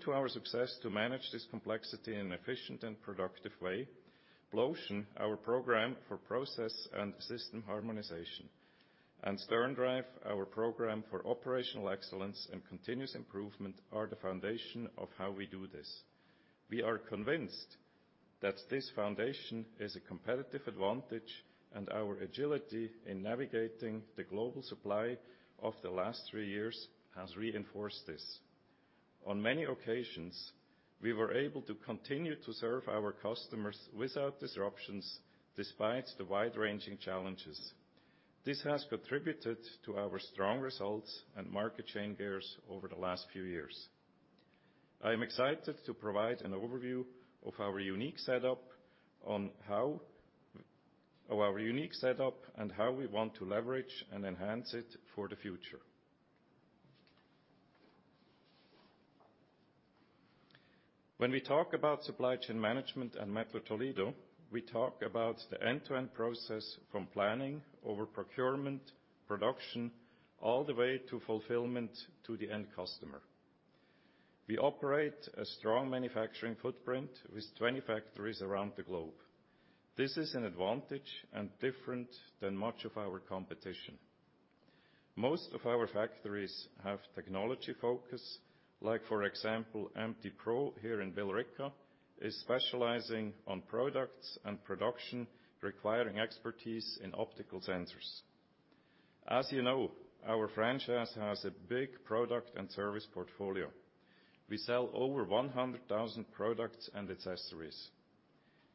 to our success to manage this complexity in an efficient and productive way, Blue Ocean, our program for process and system harmonization, and Stern Drive, our program for operational excellence and continuous improvement, are the foundation of how we do this. We are convinced that this foundation is a competitive advantage, and our agility in navigating the global supply of the last three years has reinforced this. On many occasions, we were able to continue to serve our customers without disruptions despite the wide-ranging challenges. This has contributed to our strong results and market share gains over the last few years. I am excited to provide an overview of our unique setup and how we want to leverage and enhance it for the future. When we talk about supply chain management at Mettler-Toledo, we talk about the end-to-end process from planning over procurement, production, all the way to fulfillment to the end customer. We operate a strong manufacturing footprint with 20 factories around the globe. This is an advantage and different than much of our competition. Most of our factories have technology focus, like, for example, MT-Pro here in Billerica, is specializing on products and production requiring expertise in optical sensors. As you know, our franchise has a big product and service portfolio. We sell over 100,000 products and accessories.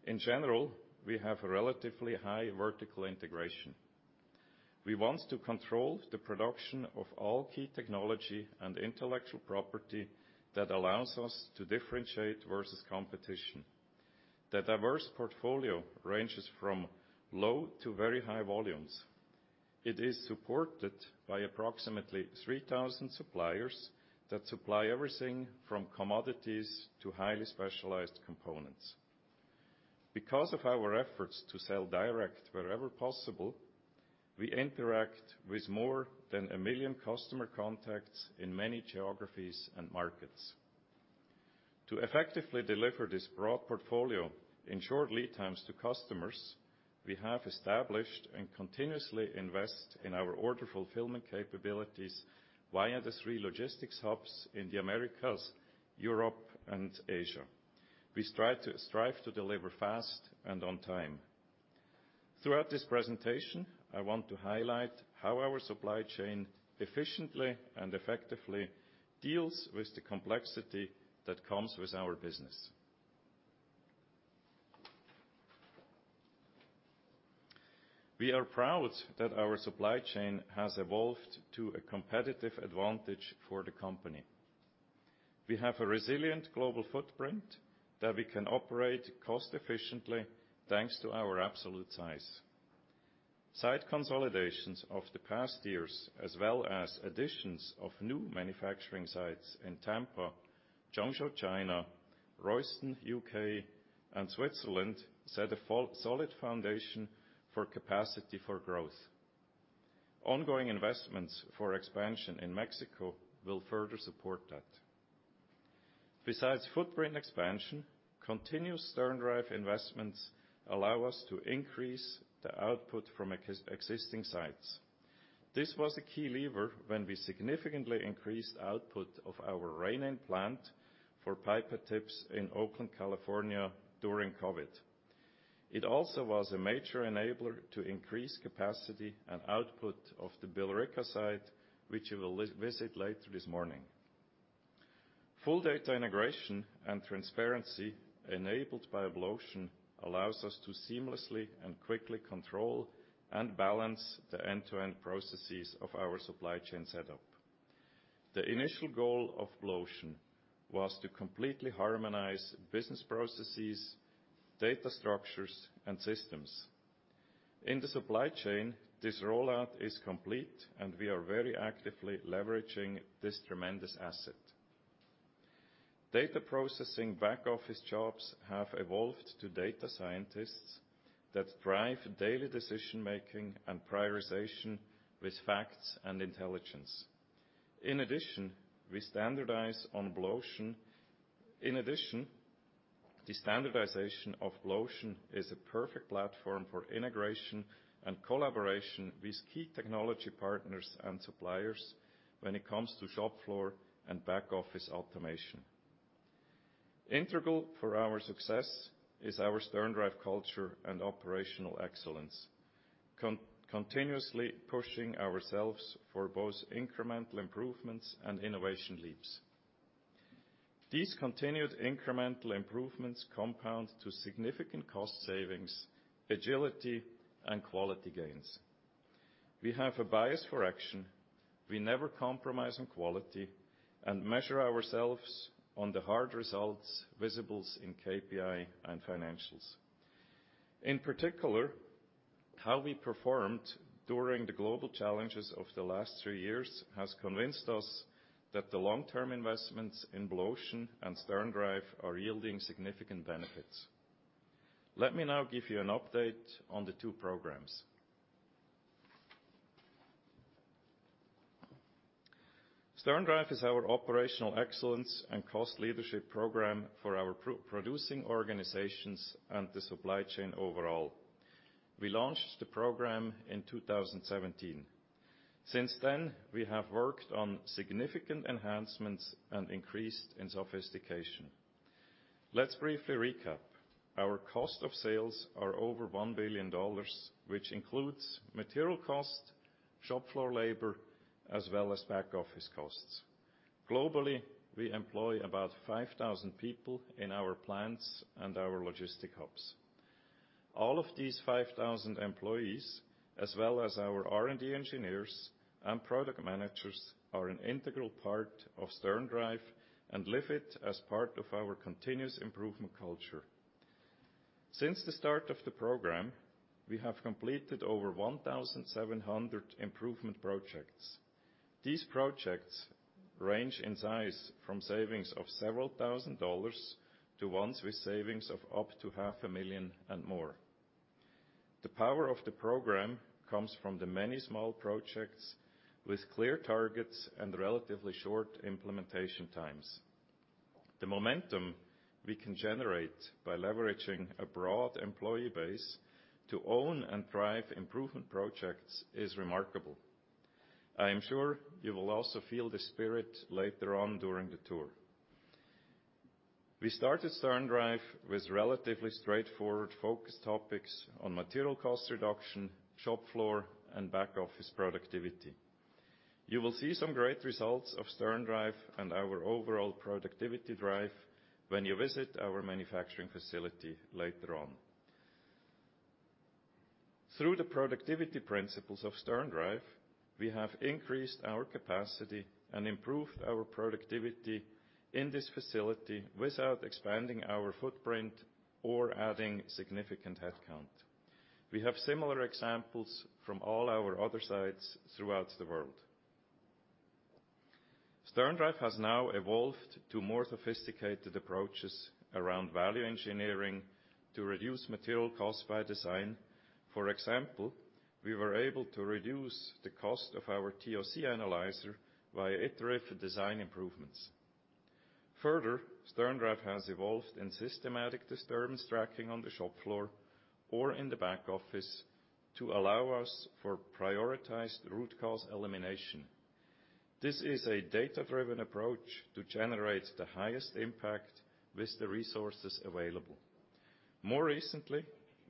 In general, we have a relatively high vertical integration. We want to control the production of all key technology and intellectual property that allows us to differentiate versus competition. The diverse portfolio ranges from low to very high volumes. It is supported by approximately 3,000 suppliers that supply everything from commodities to highly specialized components. Because of our efforts to sell direct wherever possible, we interact with more than 1 million customer contacts in many geographies and markets. To effectively deliver this broad portfolio in short lead times to customers, we have established and continuously invest in our order fulfillment capabilities via the three logistics hubs in the Americas, Europe, and Asia. We strive to deliver fast and on time. Throughout this presentation, I want to highlight how our supply chain efficiently and effectively deals with the complexity that comes with our business. We are proud that our supply chain has evolved to a competitive advantage for the company. We have a resilient global footprint that we can operate cost efficiently thanks to our absolute size. Site consolidations of the past years, as well as additions of new manufacturing sites in Tampa, Zhengzhou, China, Royston, UK, and Switzerland, set a solid foundation for capacity for growth. Ongoing investments for expansion in Mexico will further support that. Besides footprint expansion, continuous Stern Drive investments allow us to increase the output from existing sites. This was a key lever when we significantly increased output of our Rainin plant for pipette tips in Oakland, California during COVID. It also was a major enabler to increase capacity and output of the Billerica site, which you will visit later this morning. Full data integration and transparency enabled by Blue Ocean allows us to seamlessly and quickly control and balance the end-to-end processes of our supply chain setup. The initial goal of Blue Ocean was to completely harmonize business processes, data structures, and systems. In the supply chain, this rollout is complete, and we are very actively leveraging this tremendous asset. Data processing back office jobs have evolved to data scientists that drive daily decision-making and prioritization with facts and intelligence. In addition, we standardize on Blue Ocean. In addition, the standardization of Blue Ocean is a perfect platform for integration and collaboration with key technology partners and suppliers when it comes to shop floor and back office automation. Integral for our success is our Stern Drive culture and operational excellence, continuously pushing ourselves for both incremental improvements and innovation leaps. These continued incremental improvements compound to significant cost savings, agility, and quality gains. We have a bias for action. We never compromise on quality and measure ourselves on the hard results visible in KPI and financials. In particular, how we performed during the global challenges of the last three years has convinced us that the long-term investments in Blue Ocean and Stern Drive are yielding significant benefits. Let me now give you an update on the two programs. Stern Drive is our operational excellence and cost leadership program for our product-producing organizations and the supply chain overall. We launched the program in 2017. Since then, we have worked on significant enhancements and increased in sophistication. Let's briefly recap. Our cost of sales are over $1 billion, which includes material costs, shop floor labor, as well as back-office costs. Globally, we employ about 5,000 people in our plants and our logistics hubs. All of these 5,000 employees, as well as our R&D engineers and product managers, are an integral part of Stern Drive and live it as part of our continuous improvement culture. Since the start of the program, we have completed over 1,700 improvement projects. These projects range in size from savings of several thousand dollars to ones with savings of up to $500,000 and more. The power of the program comes from the many small projects with clear targets and relatively short implementation times. The momentum we can generate by leveraging a broad employee base to own and drive improvement projects is remarkable. I am sure you will also feel the spirit later on during the tour. We started Stern Drive with relatively straightforward focus topics on material cost reduction, shop floor, and back-office productivity. You will see some great results of Stern Drive and our overall productivity drive when you visit our manufacturing facility later on. Through the productivity principles of Stern Drive, we have increased our capacity and improved our productivity in this facility without expanding our footprint or adding significant headcount. We have similar examples from all our other sites throughout the world. Stern Drive has now evolved to more sophisticated approaches around value engineering to reduce material cost by design. For example, we were able to reduce the cost of our TOC analyzer via iterative design improvements. Further, Stern Drive has evolved in systematic disturbance tracking on the shop floor or in the back office to allow us for prioritized root cause elimination. This is a data-driven approach to generate the highest impact with the resources available. More recently,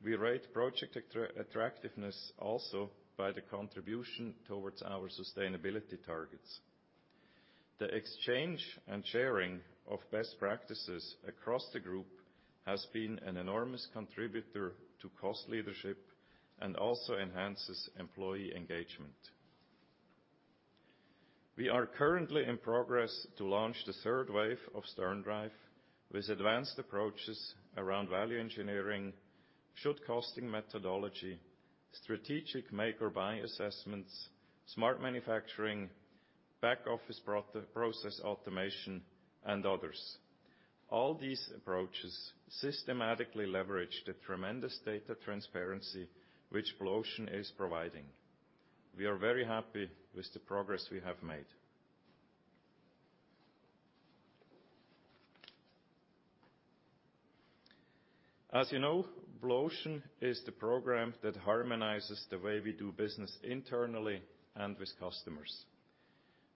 we rate project attractiveness also by the contribution towards our sustainability targets. The exchange and sharing of best practices across the group has been an enormous contributor to cost leadership and also enhances employee engagement. We are currently in progress to launch the third wave of Stern Drive with advanced approaches around value engineering, should-costing methodology, strategic make or buy assessments, smart manufacturing, back-office process automation, and others. All these approaches systematically leverage the tremendous data transparency which Blue Ocean is providing. We are very happy with the progress we have made. As you know, Blue Ocean is the program that harmonizes the way we do business internally and with customers.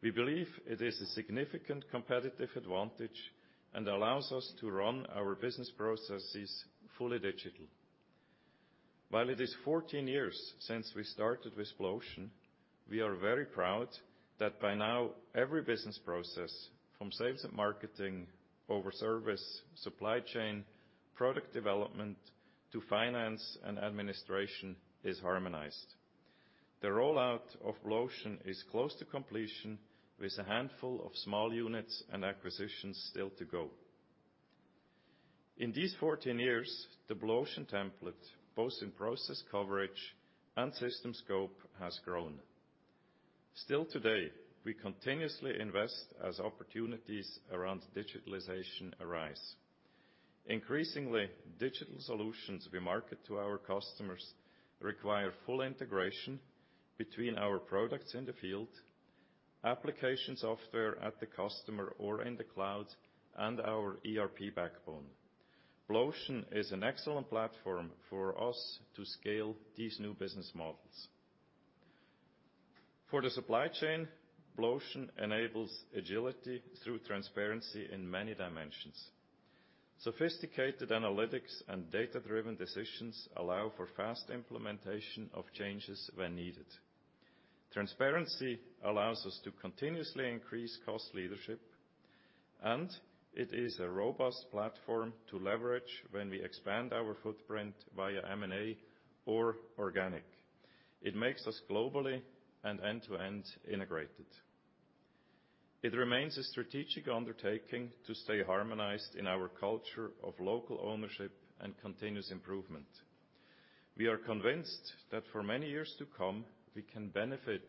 We believe it is a significant competitive advantage and allows us to run our business processes fully digital. While it is 14 years since we started with Blue Ocean, we are very proud that by now every business process from sales and marketing over service, supply chain, product development to finance and administration is harmonized. The rollout of Blue Ocean is close to completion with a handful of small units and acquisitions still to go. In these 14 years, the Blue Ocean template, both in process coverage and system scope, has grown. Still today, we continuously invest as opportunities around digitalization arise. Increasingly, digital solutions we market to our customers require full integration between our products in the field, application software at the customer or in the cloud, and our ERP backbone. Blue Ocean is an excellent platform for us to scale these new business models. For the supply chain, Blue Ocean enables agility through transparency in many dimensions. Sophisticated analytics and data-driven decisions allow for fast implementation of changes when needed. Transparency allows us to continuously increase cost leadership, and it is a robust platform to leverage when we expand our footprint via M&A or organic. It makes us globally and end-to-end integrated. It remains a strategic undertaking to stay harmonized in our culture of local ownership and continuous improvement. We are convinced that for many years to come, we can benefit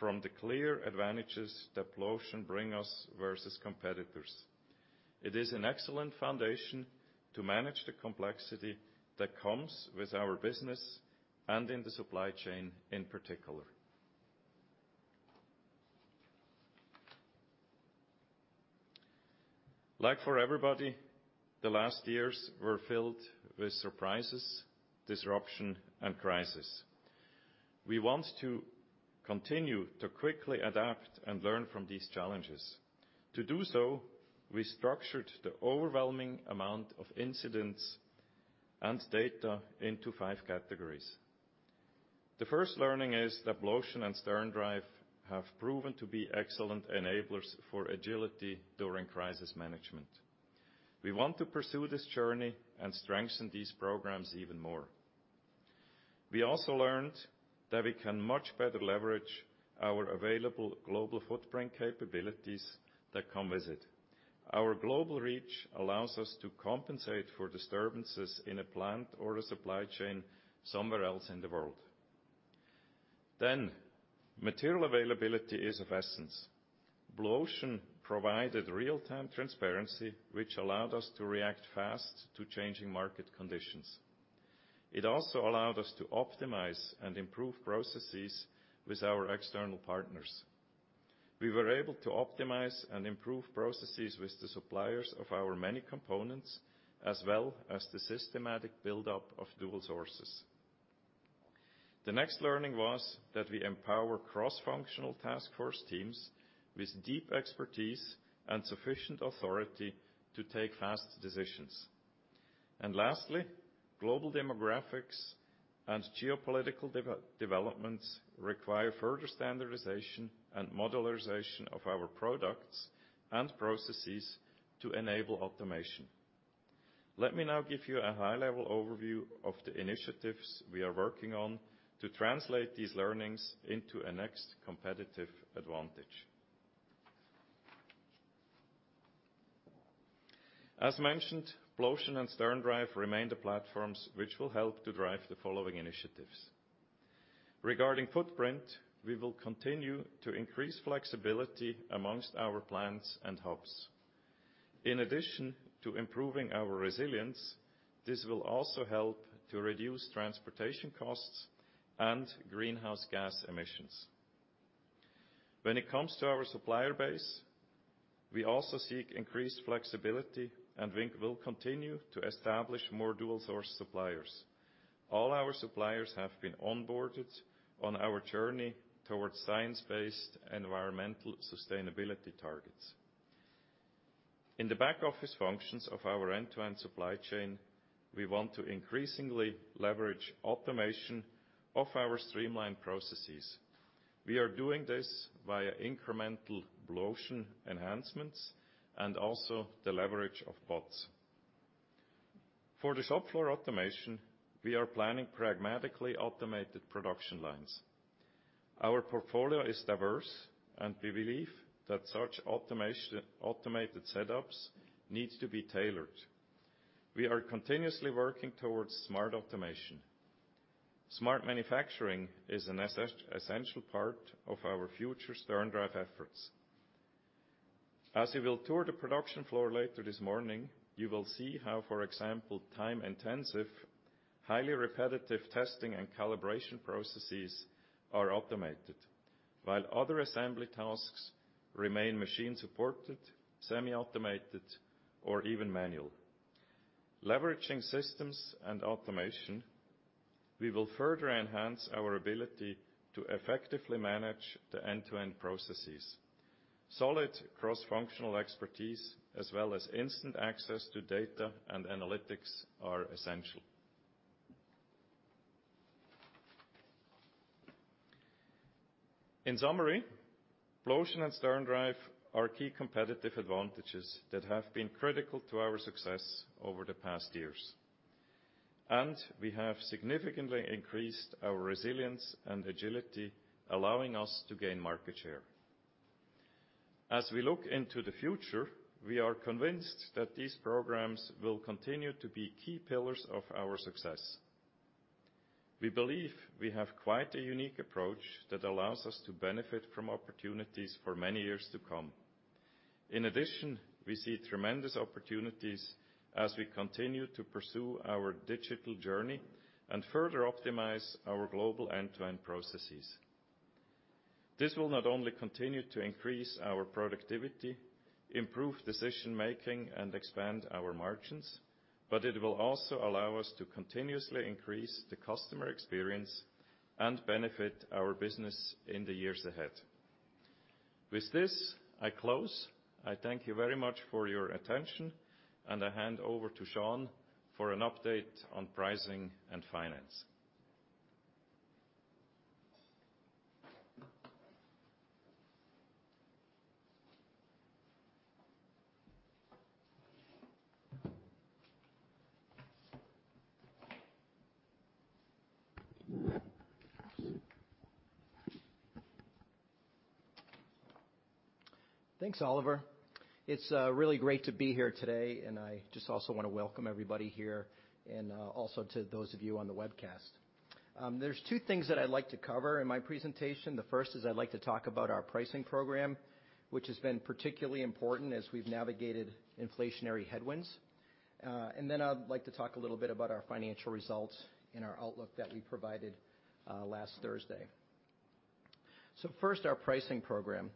from the clear advantages that Blue Ocean bring us versus competitors. It is an excellent foundation to manage the complexity that comes with our business and in the supply chain in particular. Like for everybody, the last years were filled with surprises, disruption, and crisis. We want to continue to quickly adapt and learn from these challenges. To do so, we structured the overwhelming amount of incidents and data into five categories. The first learning is that Blue Ocean and Stern Drive have proven to be excellent enablers for agility during crisis management. We want to pursue this journey and strengthen these programs even more. We also learned that we can much better leverage our available global footprint capabilities that come with it. Our global reach allows us to compensate for disturbances in a plant or a supply chain somewhere else in the world. Material availability is of essence. Blue Ocean provided real-time transparency, which allowed us to react fast to changing market conditions. It also allowed us to optimize and improve processes with our external partners. We were able to optimize and improve processes with the suppliers of our many components, as well as the systematic buildup of dual sources. The next learning was that we empower cross-functional task force teams with deep expertise and sufficient authority to take fast decisions. Lastly, global demographics and geopolitical developments require further standardization and modularization of our products and processes to enable automation. Let me now give you a high-level overview of the initiatives we are working on to translate these learnings into a next competitive advantage. As mentioned, Blue Ocean and Stern Drive remain the platforms which will help to drive the following initiatives. Regarding footprint, we will continue to increase flexibility among our plants and hubs. In addition to improving our resilience, this will also help to reduce transportation costs and greenhouse gas emissions. When it comes to our supplier base, we also seek increased flexibility, and we will continue to establish more dual source suppliers. All our suppliers have been onboarded on our journey towards science-based environmental sustainability targets. In the back office functions of our end-to-end supply chain, we want to increasingly leverage automation of our streamlined processes. We are doing this via incremental Blue Ocean enhancements and also the leverage of bots. For the shop floor automation, we are planning pragmatically automated production lines. Our portfolio is diverse, and we believe that such automated setups needs to be tailored. We are continuously working towards smart automation. Smart manufacturing is an essential part of our future Stern Drive efforts. As you will tour the production floor later this morning, you will see how, for example, time-intensive, highly repetitive testing and calibration processes are automated, while other assembly tasks remain machine-supported, semi-automated, or even manual. Leveraging systems and automation, we will further enhance our ability to effectively manage the end-to-end processes. Solid cross-functional expertise as well as instant access to data and analytics are essential. In summary, Blue Ocean and Stern Drive are key competitive advantages that have been critical to our success over the past years, and we have significantly increased our resilience and agility, allowing us to gain market share. As we look into the future, we are convinced that these programs will continue to be key pillars of our success. We believe we have quite a unique approach that allows us to benefit from opportunities for many years to come. In addition, we see tremendous opportunities as we continue to pursue our digital journey and further optimize our global end-to-end processes. This will not only continue to increase our productivity, improve decision-making, and expand our margins, but it will also allow us to continuously increase the customer experience and benefit our business in the years ahead. With this, I close. I thank you very much for your attention, and I hand over to Shawn for an update on pricing and finance. Thanks, Oliver. It's really great to be here today, and I just also wanna welcome everybody here and also to those of you on the webcast. There's two things that I'd like to cover in my presentation. The first is I'd like to talk about our pricing program, which has been particularly important as we've navigated inflationary headwinds. I'd like to talk a little bit about our financial results and our outlook that we provided last Thursday. First, our pricing program.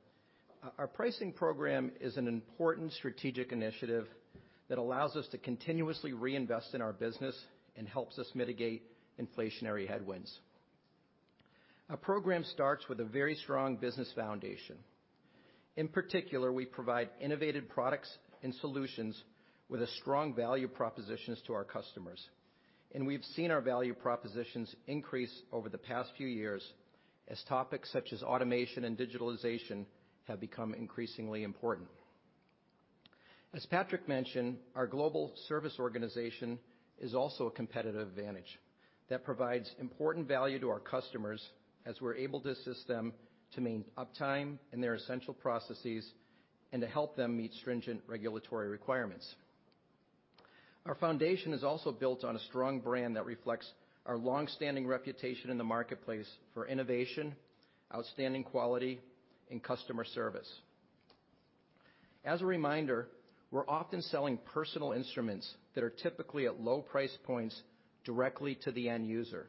Our pricing program is an important strategic initiative that allows us to continuously reinvest in our business and helps us mitigate inflationary headwinds. Our program starts with a very strong business foundation. In particular, we provide innovative products and solutions with a strong value propositions to our customers, and we've seen our value propositions increase over the past few years as topics such as automation and digitalization have become increasingly important. As Patrick mentioned, our global service organization is also a competitive advantage that provides important value to our customers as we're able to assist them to maintain uptime in their essential processes and to help them meet stringent regulatory requirements. Our foundation is also built on a strong brand that reflects our long-standing reputation in the marketplace for innovation, outstanding quality, and customer service. As a reminder, we're often selling personal instruments that are typically at low price points directly to the end user.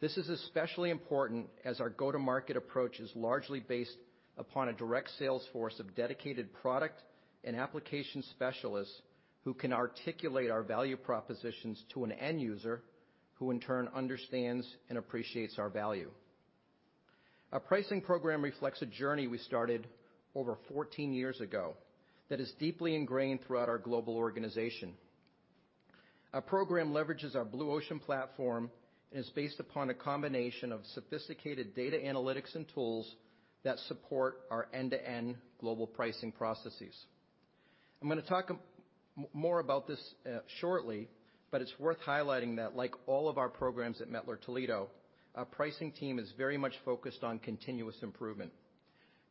This is especially important as our go-to-market approach is largely based upon a direct sales force of dedicated product and application specialists who can articulate our value propositions to an end user, who in turn understands and appreciates our value. Our pricing program reflects a journey we started over 14 years ago that is deeply ingrained throughout our global organization. Our program leverages our Blue Ocean platform and is based upon a combination of sophisticated data analytics and tools that support our end-to-end global pricing processes. I'm gonna talk more about this shortly, but it's worth highlighting that like all of our programs at Mettler-Toledo, our pricing team is very much focused on continuous improvement,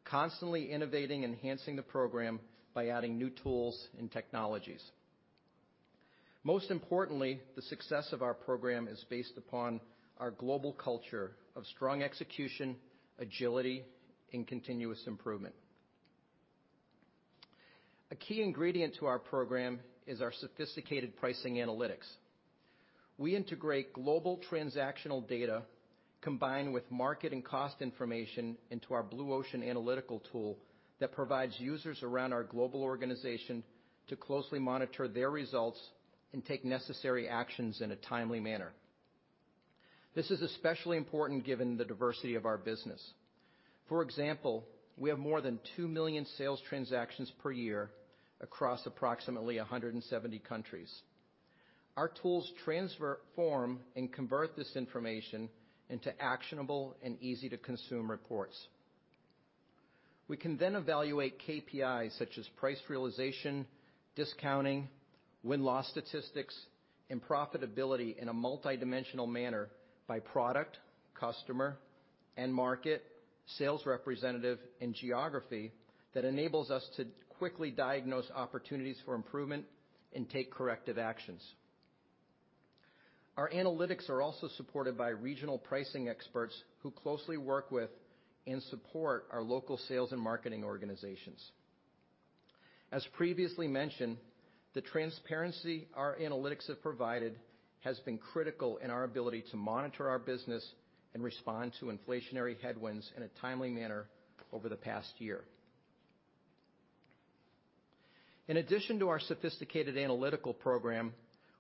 constantly innovating and enhancing the program by adding new tools and technologies. Most importantly, the success of our program is based upon our global culture of strong execution, agility, and continuous improvement. A key ingredient to our program is our sophisticated pricing analytics. We integrate global transactional data combined with market and cost information into our Blue Ocean analytical tool that provides users around our global organization to closely monitor their results and take necessary actions in a timely manner. This is especially important given the diversity of our business. For example, we have more than 2 million sales transactions per year across approximately 170 countries. Our tools transform and convert this information into actionable and easy-to-consume reports. We can then evaluate KPIs such as price realization, discounting, win-loss statistics, and profitability in a multidimensional manner by product, customer, end market, sales representative, and geography that enables us to quickly diagnose opportunities for improvement and take corrective actions. Our analytics are also supported by regional pricing experts who closely work with and support our local sales and marketing organizations. As previously mentioned, the transparency our analytics have provided has been critical in our ability to monitor our business and respond to inflationary headwinds in a timely manner over the past year. In addition to our sophisticated analytical program,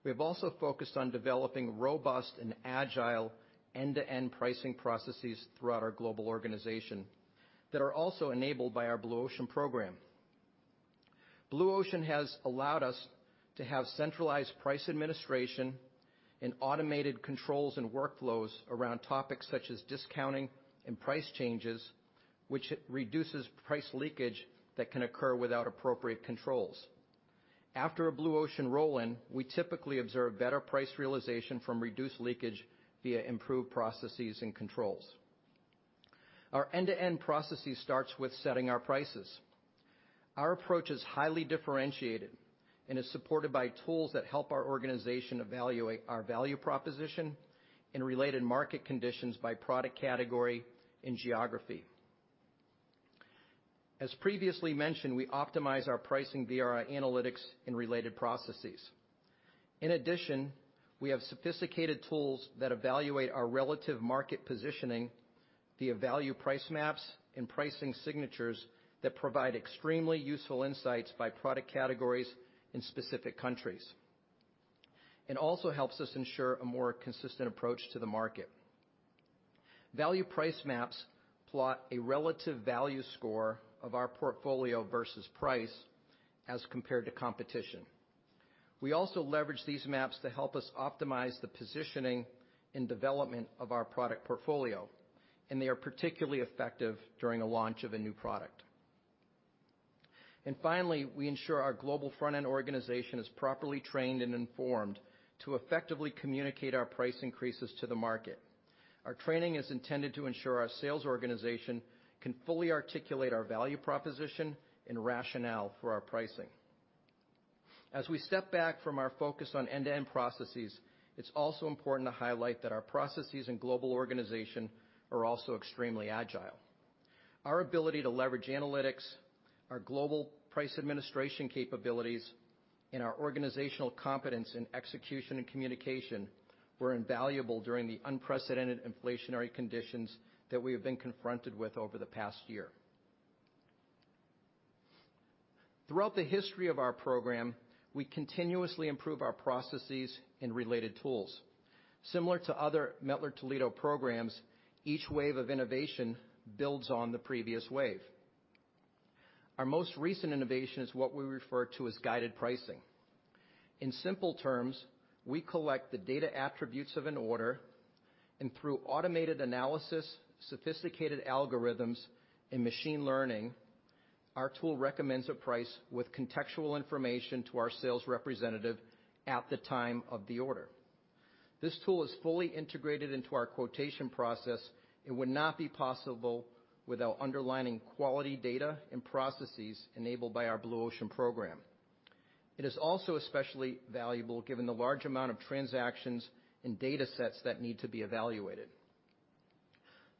we have also focused on developing robust and agile end-to-end pricing processes throughout our global organization that are also enabled by our Blue Ocean program. Blue Ocean has allowed us to have centralized price administration and automated controls and workflows around topics such as discounting and price changes, which reduces price leakage that can occur without appropriate controls. After a Blue Ocean roll-in, we typically observe better price realization from reduced leakage via improved processes and controls. Our end-to-end processes starts with setting our prices. Our approach is highly differentiated and is supported by tools that help our organization evaluate our value proposition and related market conditions by product category and geography. As previously mentioned, we optimize our pricing via our analytics and related processes. In addition, we have sophisticated tools that evaluate our relative market positioning via value price maps and pricing signatures that provide extremely useful insights by product categories in specific countries, and also helps us ensure a more consistent approach to the market. Value price maps plot a relative value score of our portfolio versus price as compared to competition. We also leverage these maps to help us optimize the positioning and development of our product portfolio, and they are particularly effective during a launch of a new product. Finally, we ensure our global front-end organization is properly trained and informed to effectively communicate our price increases to the market. Our training is intended to ensure our sales organization can fully articulate our value proposition and rationale for our pricing. As we step back from our focus on end-to-end processes, it's also important to highlight that our processes and global organization are also extremely agile. Our ability to leverage analytics, our global price administration capabilities. In our organizational competence in execution and communication were invaluable during the unprecedented inflationary conditions that we have been confronted with over the past year. Throughout the history of our program, we continuously improve our processes and related tools. Similar to other Mettler-Toledo programs, each wave of innovation builds on the previous wave. Our most recent innovation is what we refer to as guided pricing. In simple terms, we collect the data attributes of an order, and through automated analysis, sophisticated algorithms, and machine learning, our tool recommends a price with contextual information to our sales representative at the time of the order. This tool is fully integrated into our quotation process and would not be possible without underlying quality data and processes enabled by our Blue Ocean program. It is also especially valuable given the large amount of transactions and data sets that need to be evaluated.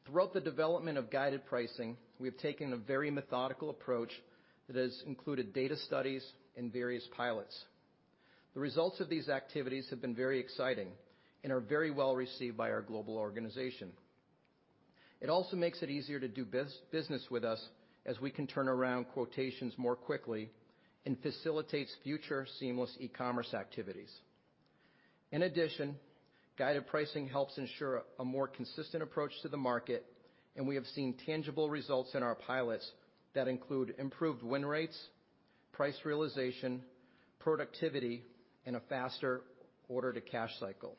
Throughout the development of guided pricing, we have taken a very methodical approach that has included data studies and various pilots. The results of these activities have been very exciting and are very well-received by our global organization. It also makes it easier to do business with us, as we can turn around quotations more quickly and facilitates future seamless e-commerce activities. In addition, guided pricing helps ensure a more consistent approach to the market, and we have seen tangible results in our pilots that include improved win rates, price realization, productivity, and a faster order-to-cash cycle.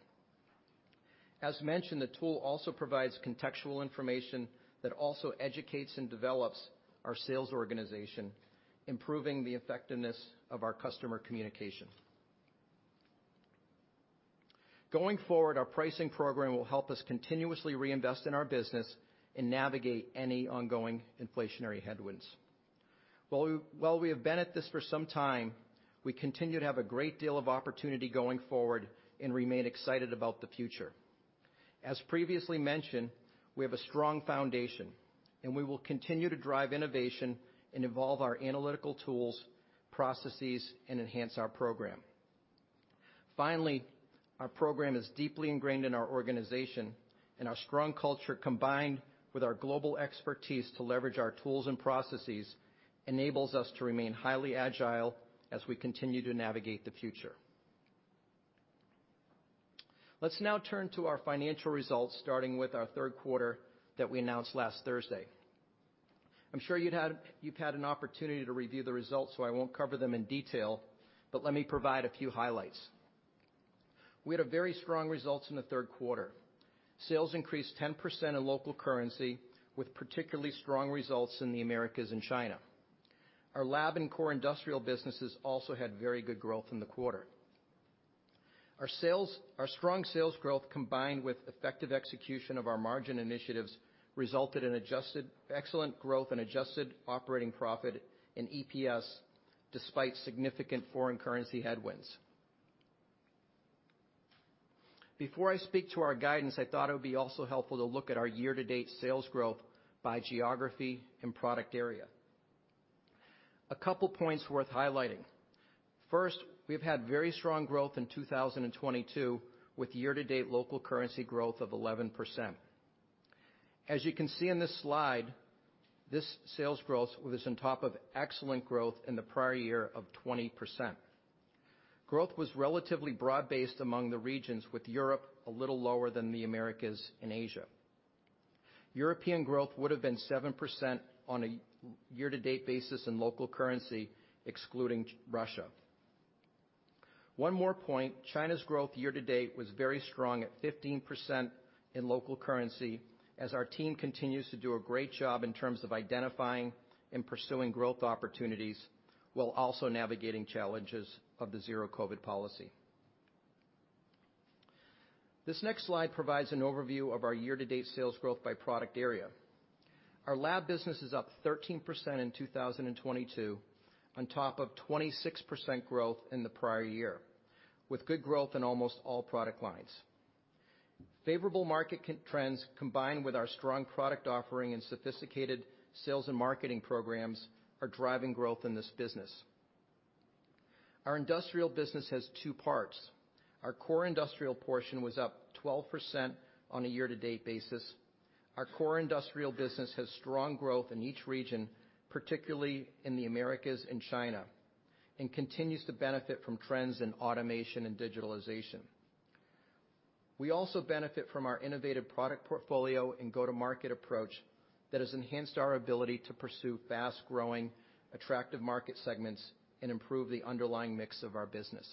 As mentioned, the tool also provides contextual information that also educates and develops our sales organization, improving the effectiveness of our customer communication. Going forward, our pricing program will help us continuously reinvest in our business and navigate any ongoing inflationary headwinds. While we have been at this for some time, we continue to have a great deal of opportunity going forward and remain excited about the future. As previously mentioned, we have a strong foundation, and we will continue to drive innovation and evolve our analytical tools, processes, and enhance our program. Finally, our program is deeply ingrained in our organization, and our strong culture, combined with our global expertise to leverage our tools and processes, enables us to remain highly agile as we continue to navigate the future. Let's now turn to our financial results, starting with our third quarter that we announced last Thursday. I'm sure you've had an opportunity to review the results, so I won't cover them in detail, but let me provide a few highlights. We had a very strong results in the third quarter. Sales increased 10% in local currency, with particularly strong results in the Americas and China. Our lab and core industrial businesses also had very good growth in the quarter. Our strong sales growth, combined with effective execution of our margin initiatives, resulted in excellent growth and adjusted operating profit in EPS despite significant foreign currency headwinds. Before I speak to our guidance, I thought it would be also helpful to look at our year-to-date sales growth by geography and product area. A couple points worth highlighting. First, we've had very strong growth in 2022, with year-to-date local currency growth of 11%. As you can see in this slide, this sales growth was on top of excellent growth in the prior year of 20%. Growth was relatively broad-based among the regions, with Europe a little lower than the Americas and Asia. European growth would have been 7% on a year-to-date basis in local currency, excluding Russia. One more point, China's growth year-to-date was very strong at 15% in local currency as our team continues to do a great job in terms of identifying and pursuing growth opportunities while also navigating challenges of the Zero-COVID policy. This next slide provides an overview of our year-to-date sales growth by product area. Our lab business is up 13% in 2022, on top of 26% growth in the prior year, with good growth in almost all product lines. Favorable market trends, combined with our strong product offering and sophisticated sales and marketing programs, are driving growth in this business. Our industrial business has two parts. Our core industrial portion was up 12% on a year-to-date basis. Our core industrial business has strong growth in each region, particularly in the Americas and China, and continues to benefit from trends in automation and digitalization. We also benefit from our innovative product portfolio and go-to-market approach that has enhanced our ability to pursue fast-growing, attractive market segments and improve the underlying mix of our business.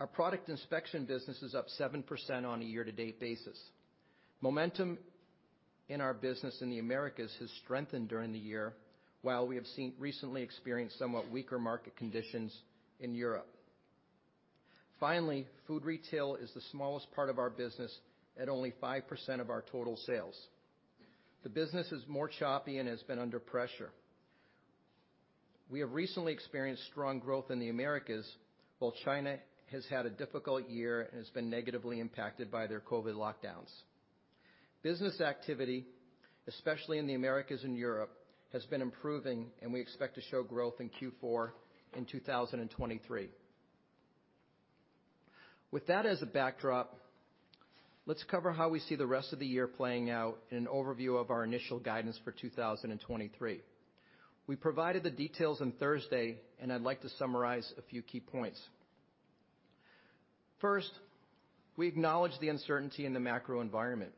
Our Product Inspection business is up 7% on a year-to-date basis. Momentum in our business in the Americas has strengthened during the year, while we recently experienced somewhat weaker market conditions in Europe. Food Retail is the smallest part of our business at only 5% of our total sales. The business is more choppy and has been under pressure. We have recently experienced strong growth in the Americas, while China has had a difficult year and has been negatively impacted by their COVID lockdowns. Business activity, especially in the Americas and Europe, has been improving, and we expect to show growth in Q4 in 2023. With that as a backdrop, let's cover how we see the rest of the year playing out in an overview of our initial guidance for 2023. We provided the details on Thursday, and I'd like to summarize a few key points. First, we acknowledge the uncertainty in the macro environment.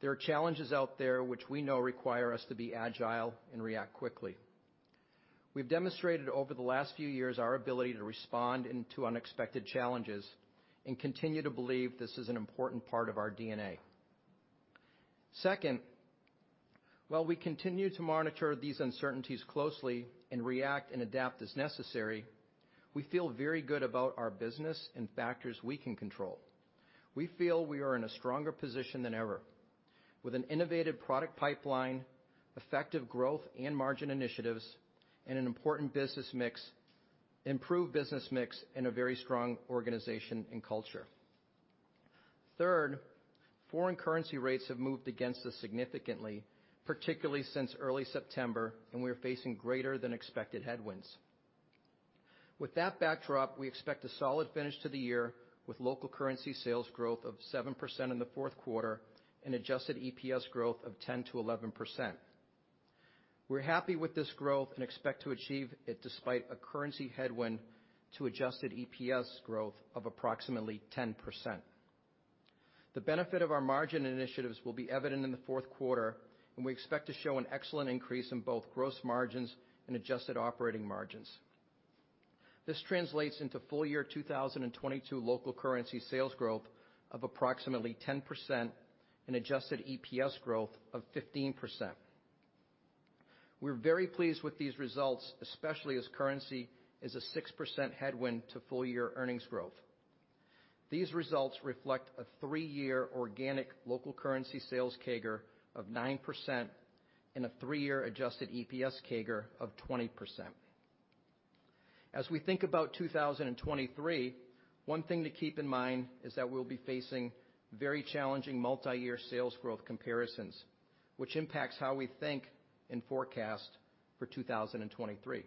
There are challenges out there which we know require us to be agile and react quickly. We've demonstrated over the last few years our ability to respond to unexpected challenges and continue to believe this is an important part of our DNA. Second, while we continue to monitor these uncertainties closely and react and adapt as necessary, we feel very good about our business and factors we can control. We feel we are in a stronger position than ever with an innovative product pipeline, effective growth and margin initiatives, and an important business mix, improved business mix, and a very strong organization and culture. Third, foreign currency rates have moved against us significantly, particularly since early September, and we are facing greater than expected headwinds. With that backdrop, we expect a solid finish to the year with local currency sales growth of 7% in the fourth quarter and adjusted EPS growth of 10%-11%. We're happy with this growth and expect to achieve it, despite a currency headwind to adjusted EPS growth of approximately 10%. The benefit of our margin initiatives will be evident in the fourth quarter, and we expect to show an excellent increase in both gross margins and adjusted operating margins. This translates into full year 2022 local currency sales growth of approximately 10% and adjusted EPS growth of 15%. We're very pleased with these results, especially as currency is a 6% headwind to full year earnings growth. These results reflect a three-year organic local currency sales CAGR of 9% and a three-year adjusted EPS CAGR of 20%. As we think about 2023, one thing to keep in mind is that we'll be facing very challenging multiyear sales growth comparisons, which impacts how we think and forecast for 2023.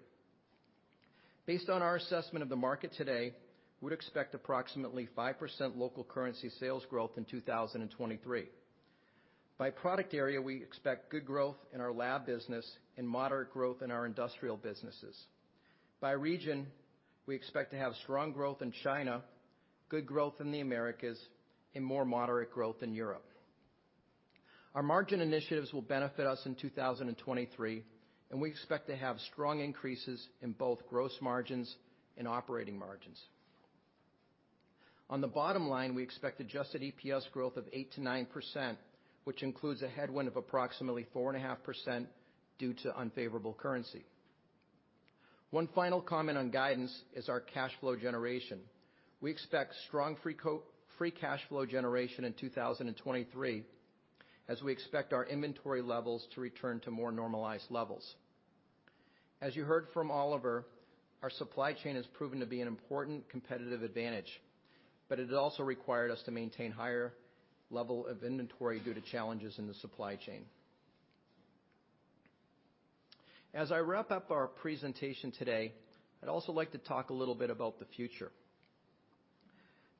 Based on our assessment of the market today, we'd expect approximately 5% local currency sales growth in 2023. By product area, we expect good growth in our lab business and moderate growth in our industrial businesses. By region, we expect to have strong growth in China, good growth in the Americas, and more moderate growth in Europe. Our margin initiatives will benefit us in 2023, and we expect to have strong increases in both gross margins and operating margins. On the bottom line, we expect adjusted EPS growth of 8%-9%, which includes a headwind of approximately 4.5% due to unfavorable currency. One final comment on guidance is our cash flow generation. We expect strong free cash flow generation in 2023, as we expect our inventory levels to return to more normalized levels. As you heard from Oliver, our supply chain has proven to be an important competitive advantage, but it also required us to maintain higher level of inventory due to challenges in the supply chain. As I wrap up our presentation today, I'd also like to talk a little bit about the future.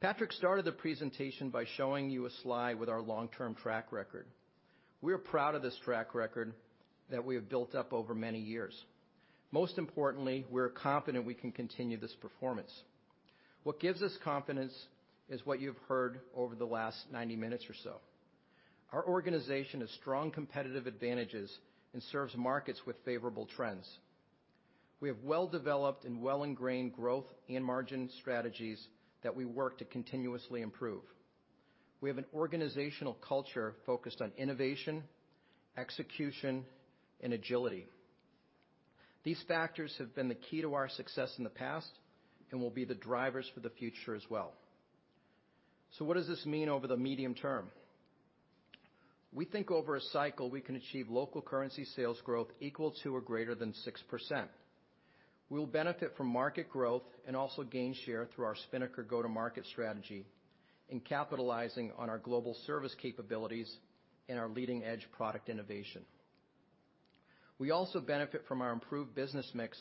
Patrick started the presentation by showing you a slide with our long-term track record. We are proud of this track record that we have built up over many years. Most importantly, we're confident we can continue this performance. What gives us confidence is what you've heard over the last 90 minutes or so. Our organization has strong competitive advantages and serves markets with favorable trends. We have well-developed and well-ingrained growth and margin strategies that we work to continuously improve. We have an organizational culture focused on innovation, execution, and agility. These factors have been the key to our success in the past and will be the drivers for the future as well. What does this mean over the medium term? We think over a cycle, we can achieve local currency sales growth equal to or greater than 6%. We'll benefit from market growth and also gain share through our Spinnaker go-to-market strategy in capitalizing on our global service capabilities and our leading-edge product innovation. We also benefit from our improved business mix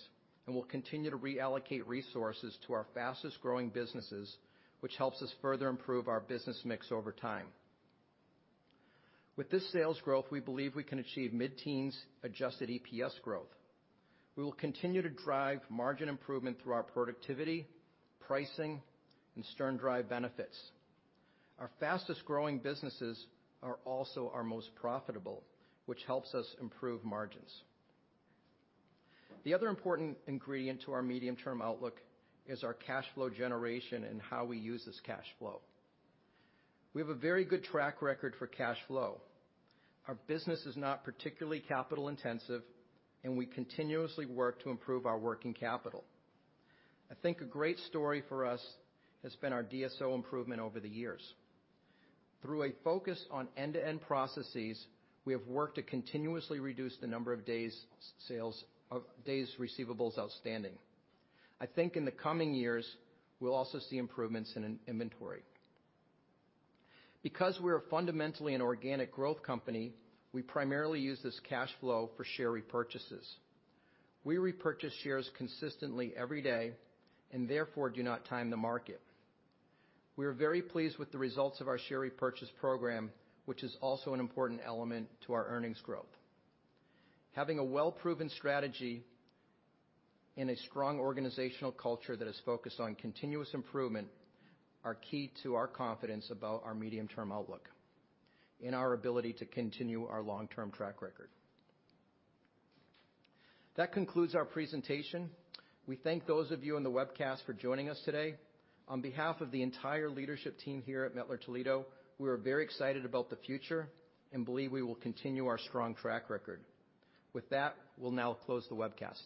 and will continue to reallocate resources to our fastest-growing businesses, which helps us further improve our business mix over time. With this sales growth, we believe we can achieve mid-teens adjusted EPS growth. We will continue to drive margin improvement through our productivity, pricing, and Stern Drive benefits. Our fastest-growing businesses are also our most profitable, which helps us improve margins. The other important ingredient to our medium-term outlook is our cash flow generation and how we use this cash flow. We have a very good track record for cash flow. Our business is not particularly capital intensive, and we continuously work to improve our working capital. I think a great story for us has been our DSO improvement over the years. Through a focus on end-to-end processes, we have worked to continuously reduce the number of days sales outstanding. I think in the coming years, we'll also see improvements in inventory. Because we're fundamentally an organic growth company, we primarily use this cash flow for share repurchases. We repurchase shares consistently every day and therefore do not time the market. We are very pleased with the results of our share repurchase program, which is also an important element to our earnings growth. Having a well-proven strategy and a strong organizational culture that is focused on continuous improvement are key to our confidence about our medium-term outlook and our ability to continue our long-term track record. That concludes our presentation. We thank those of you on the webcast for joining us today. On behalf of the entire leadership team here at Mettler-Toledo, we are very excited about the future and believe we will continue our strong track record. With that, we'll now close the webcast.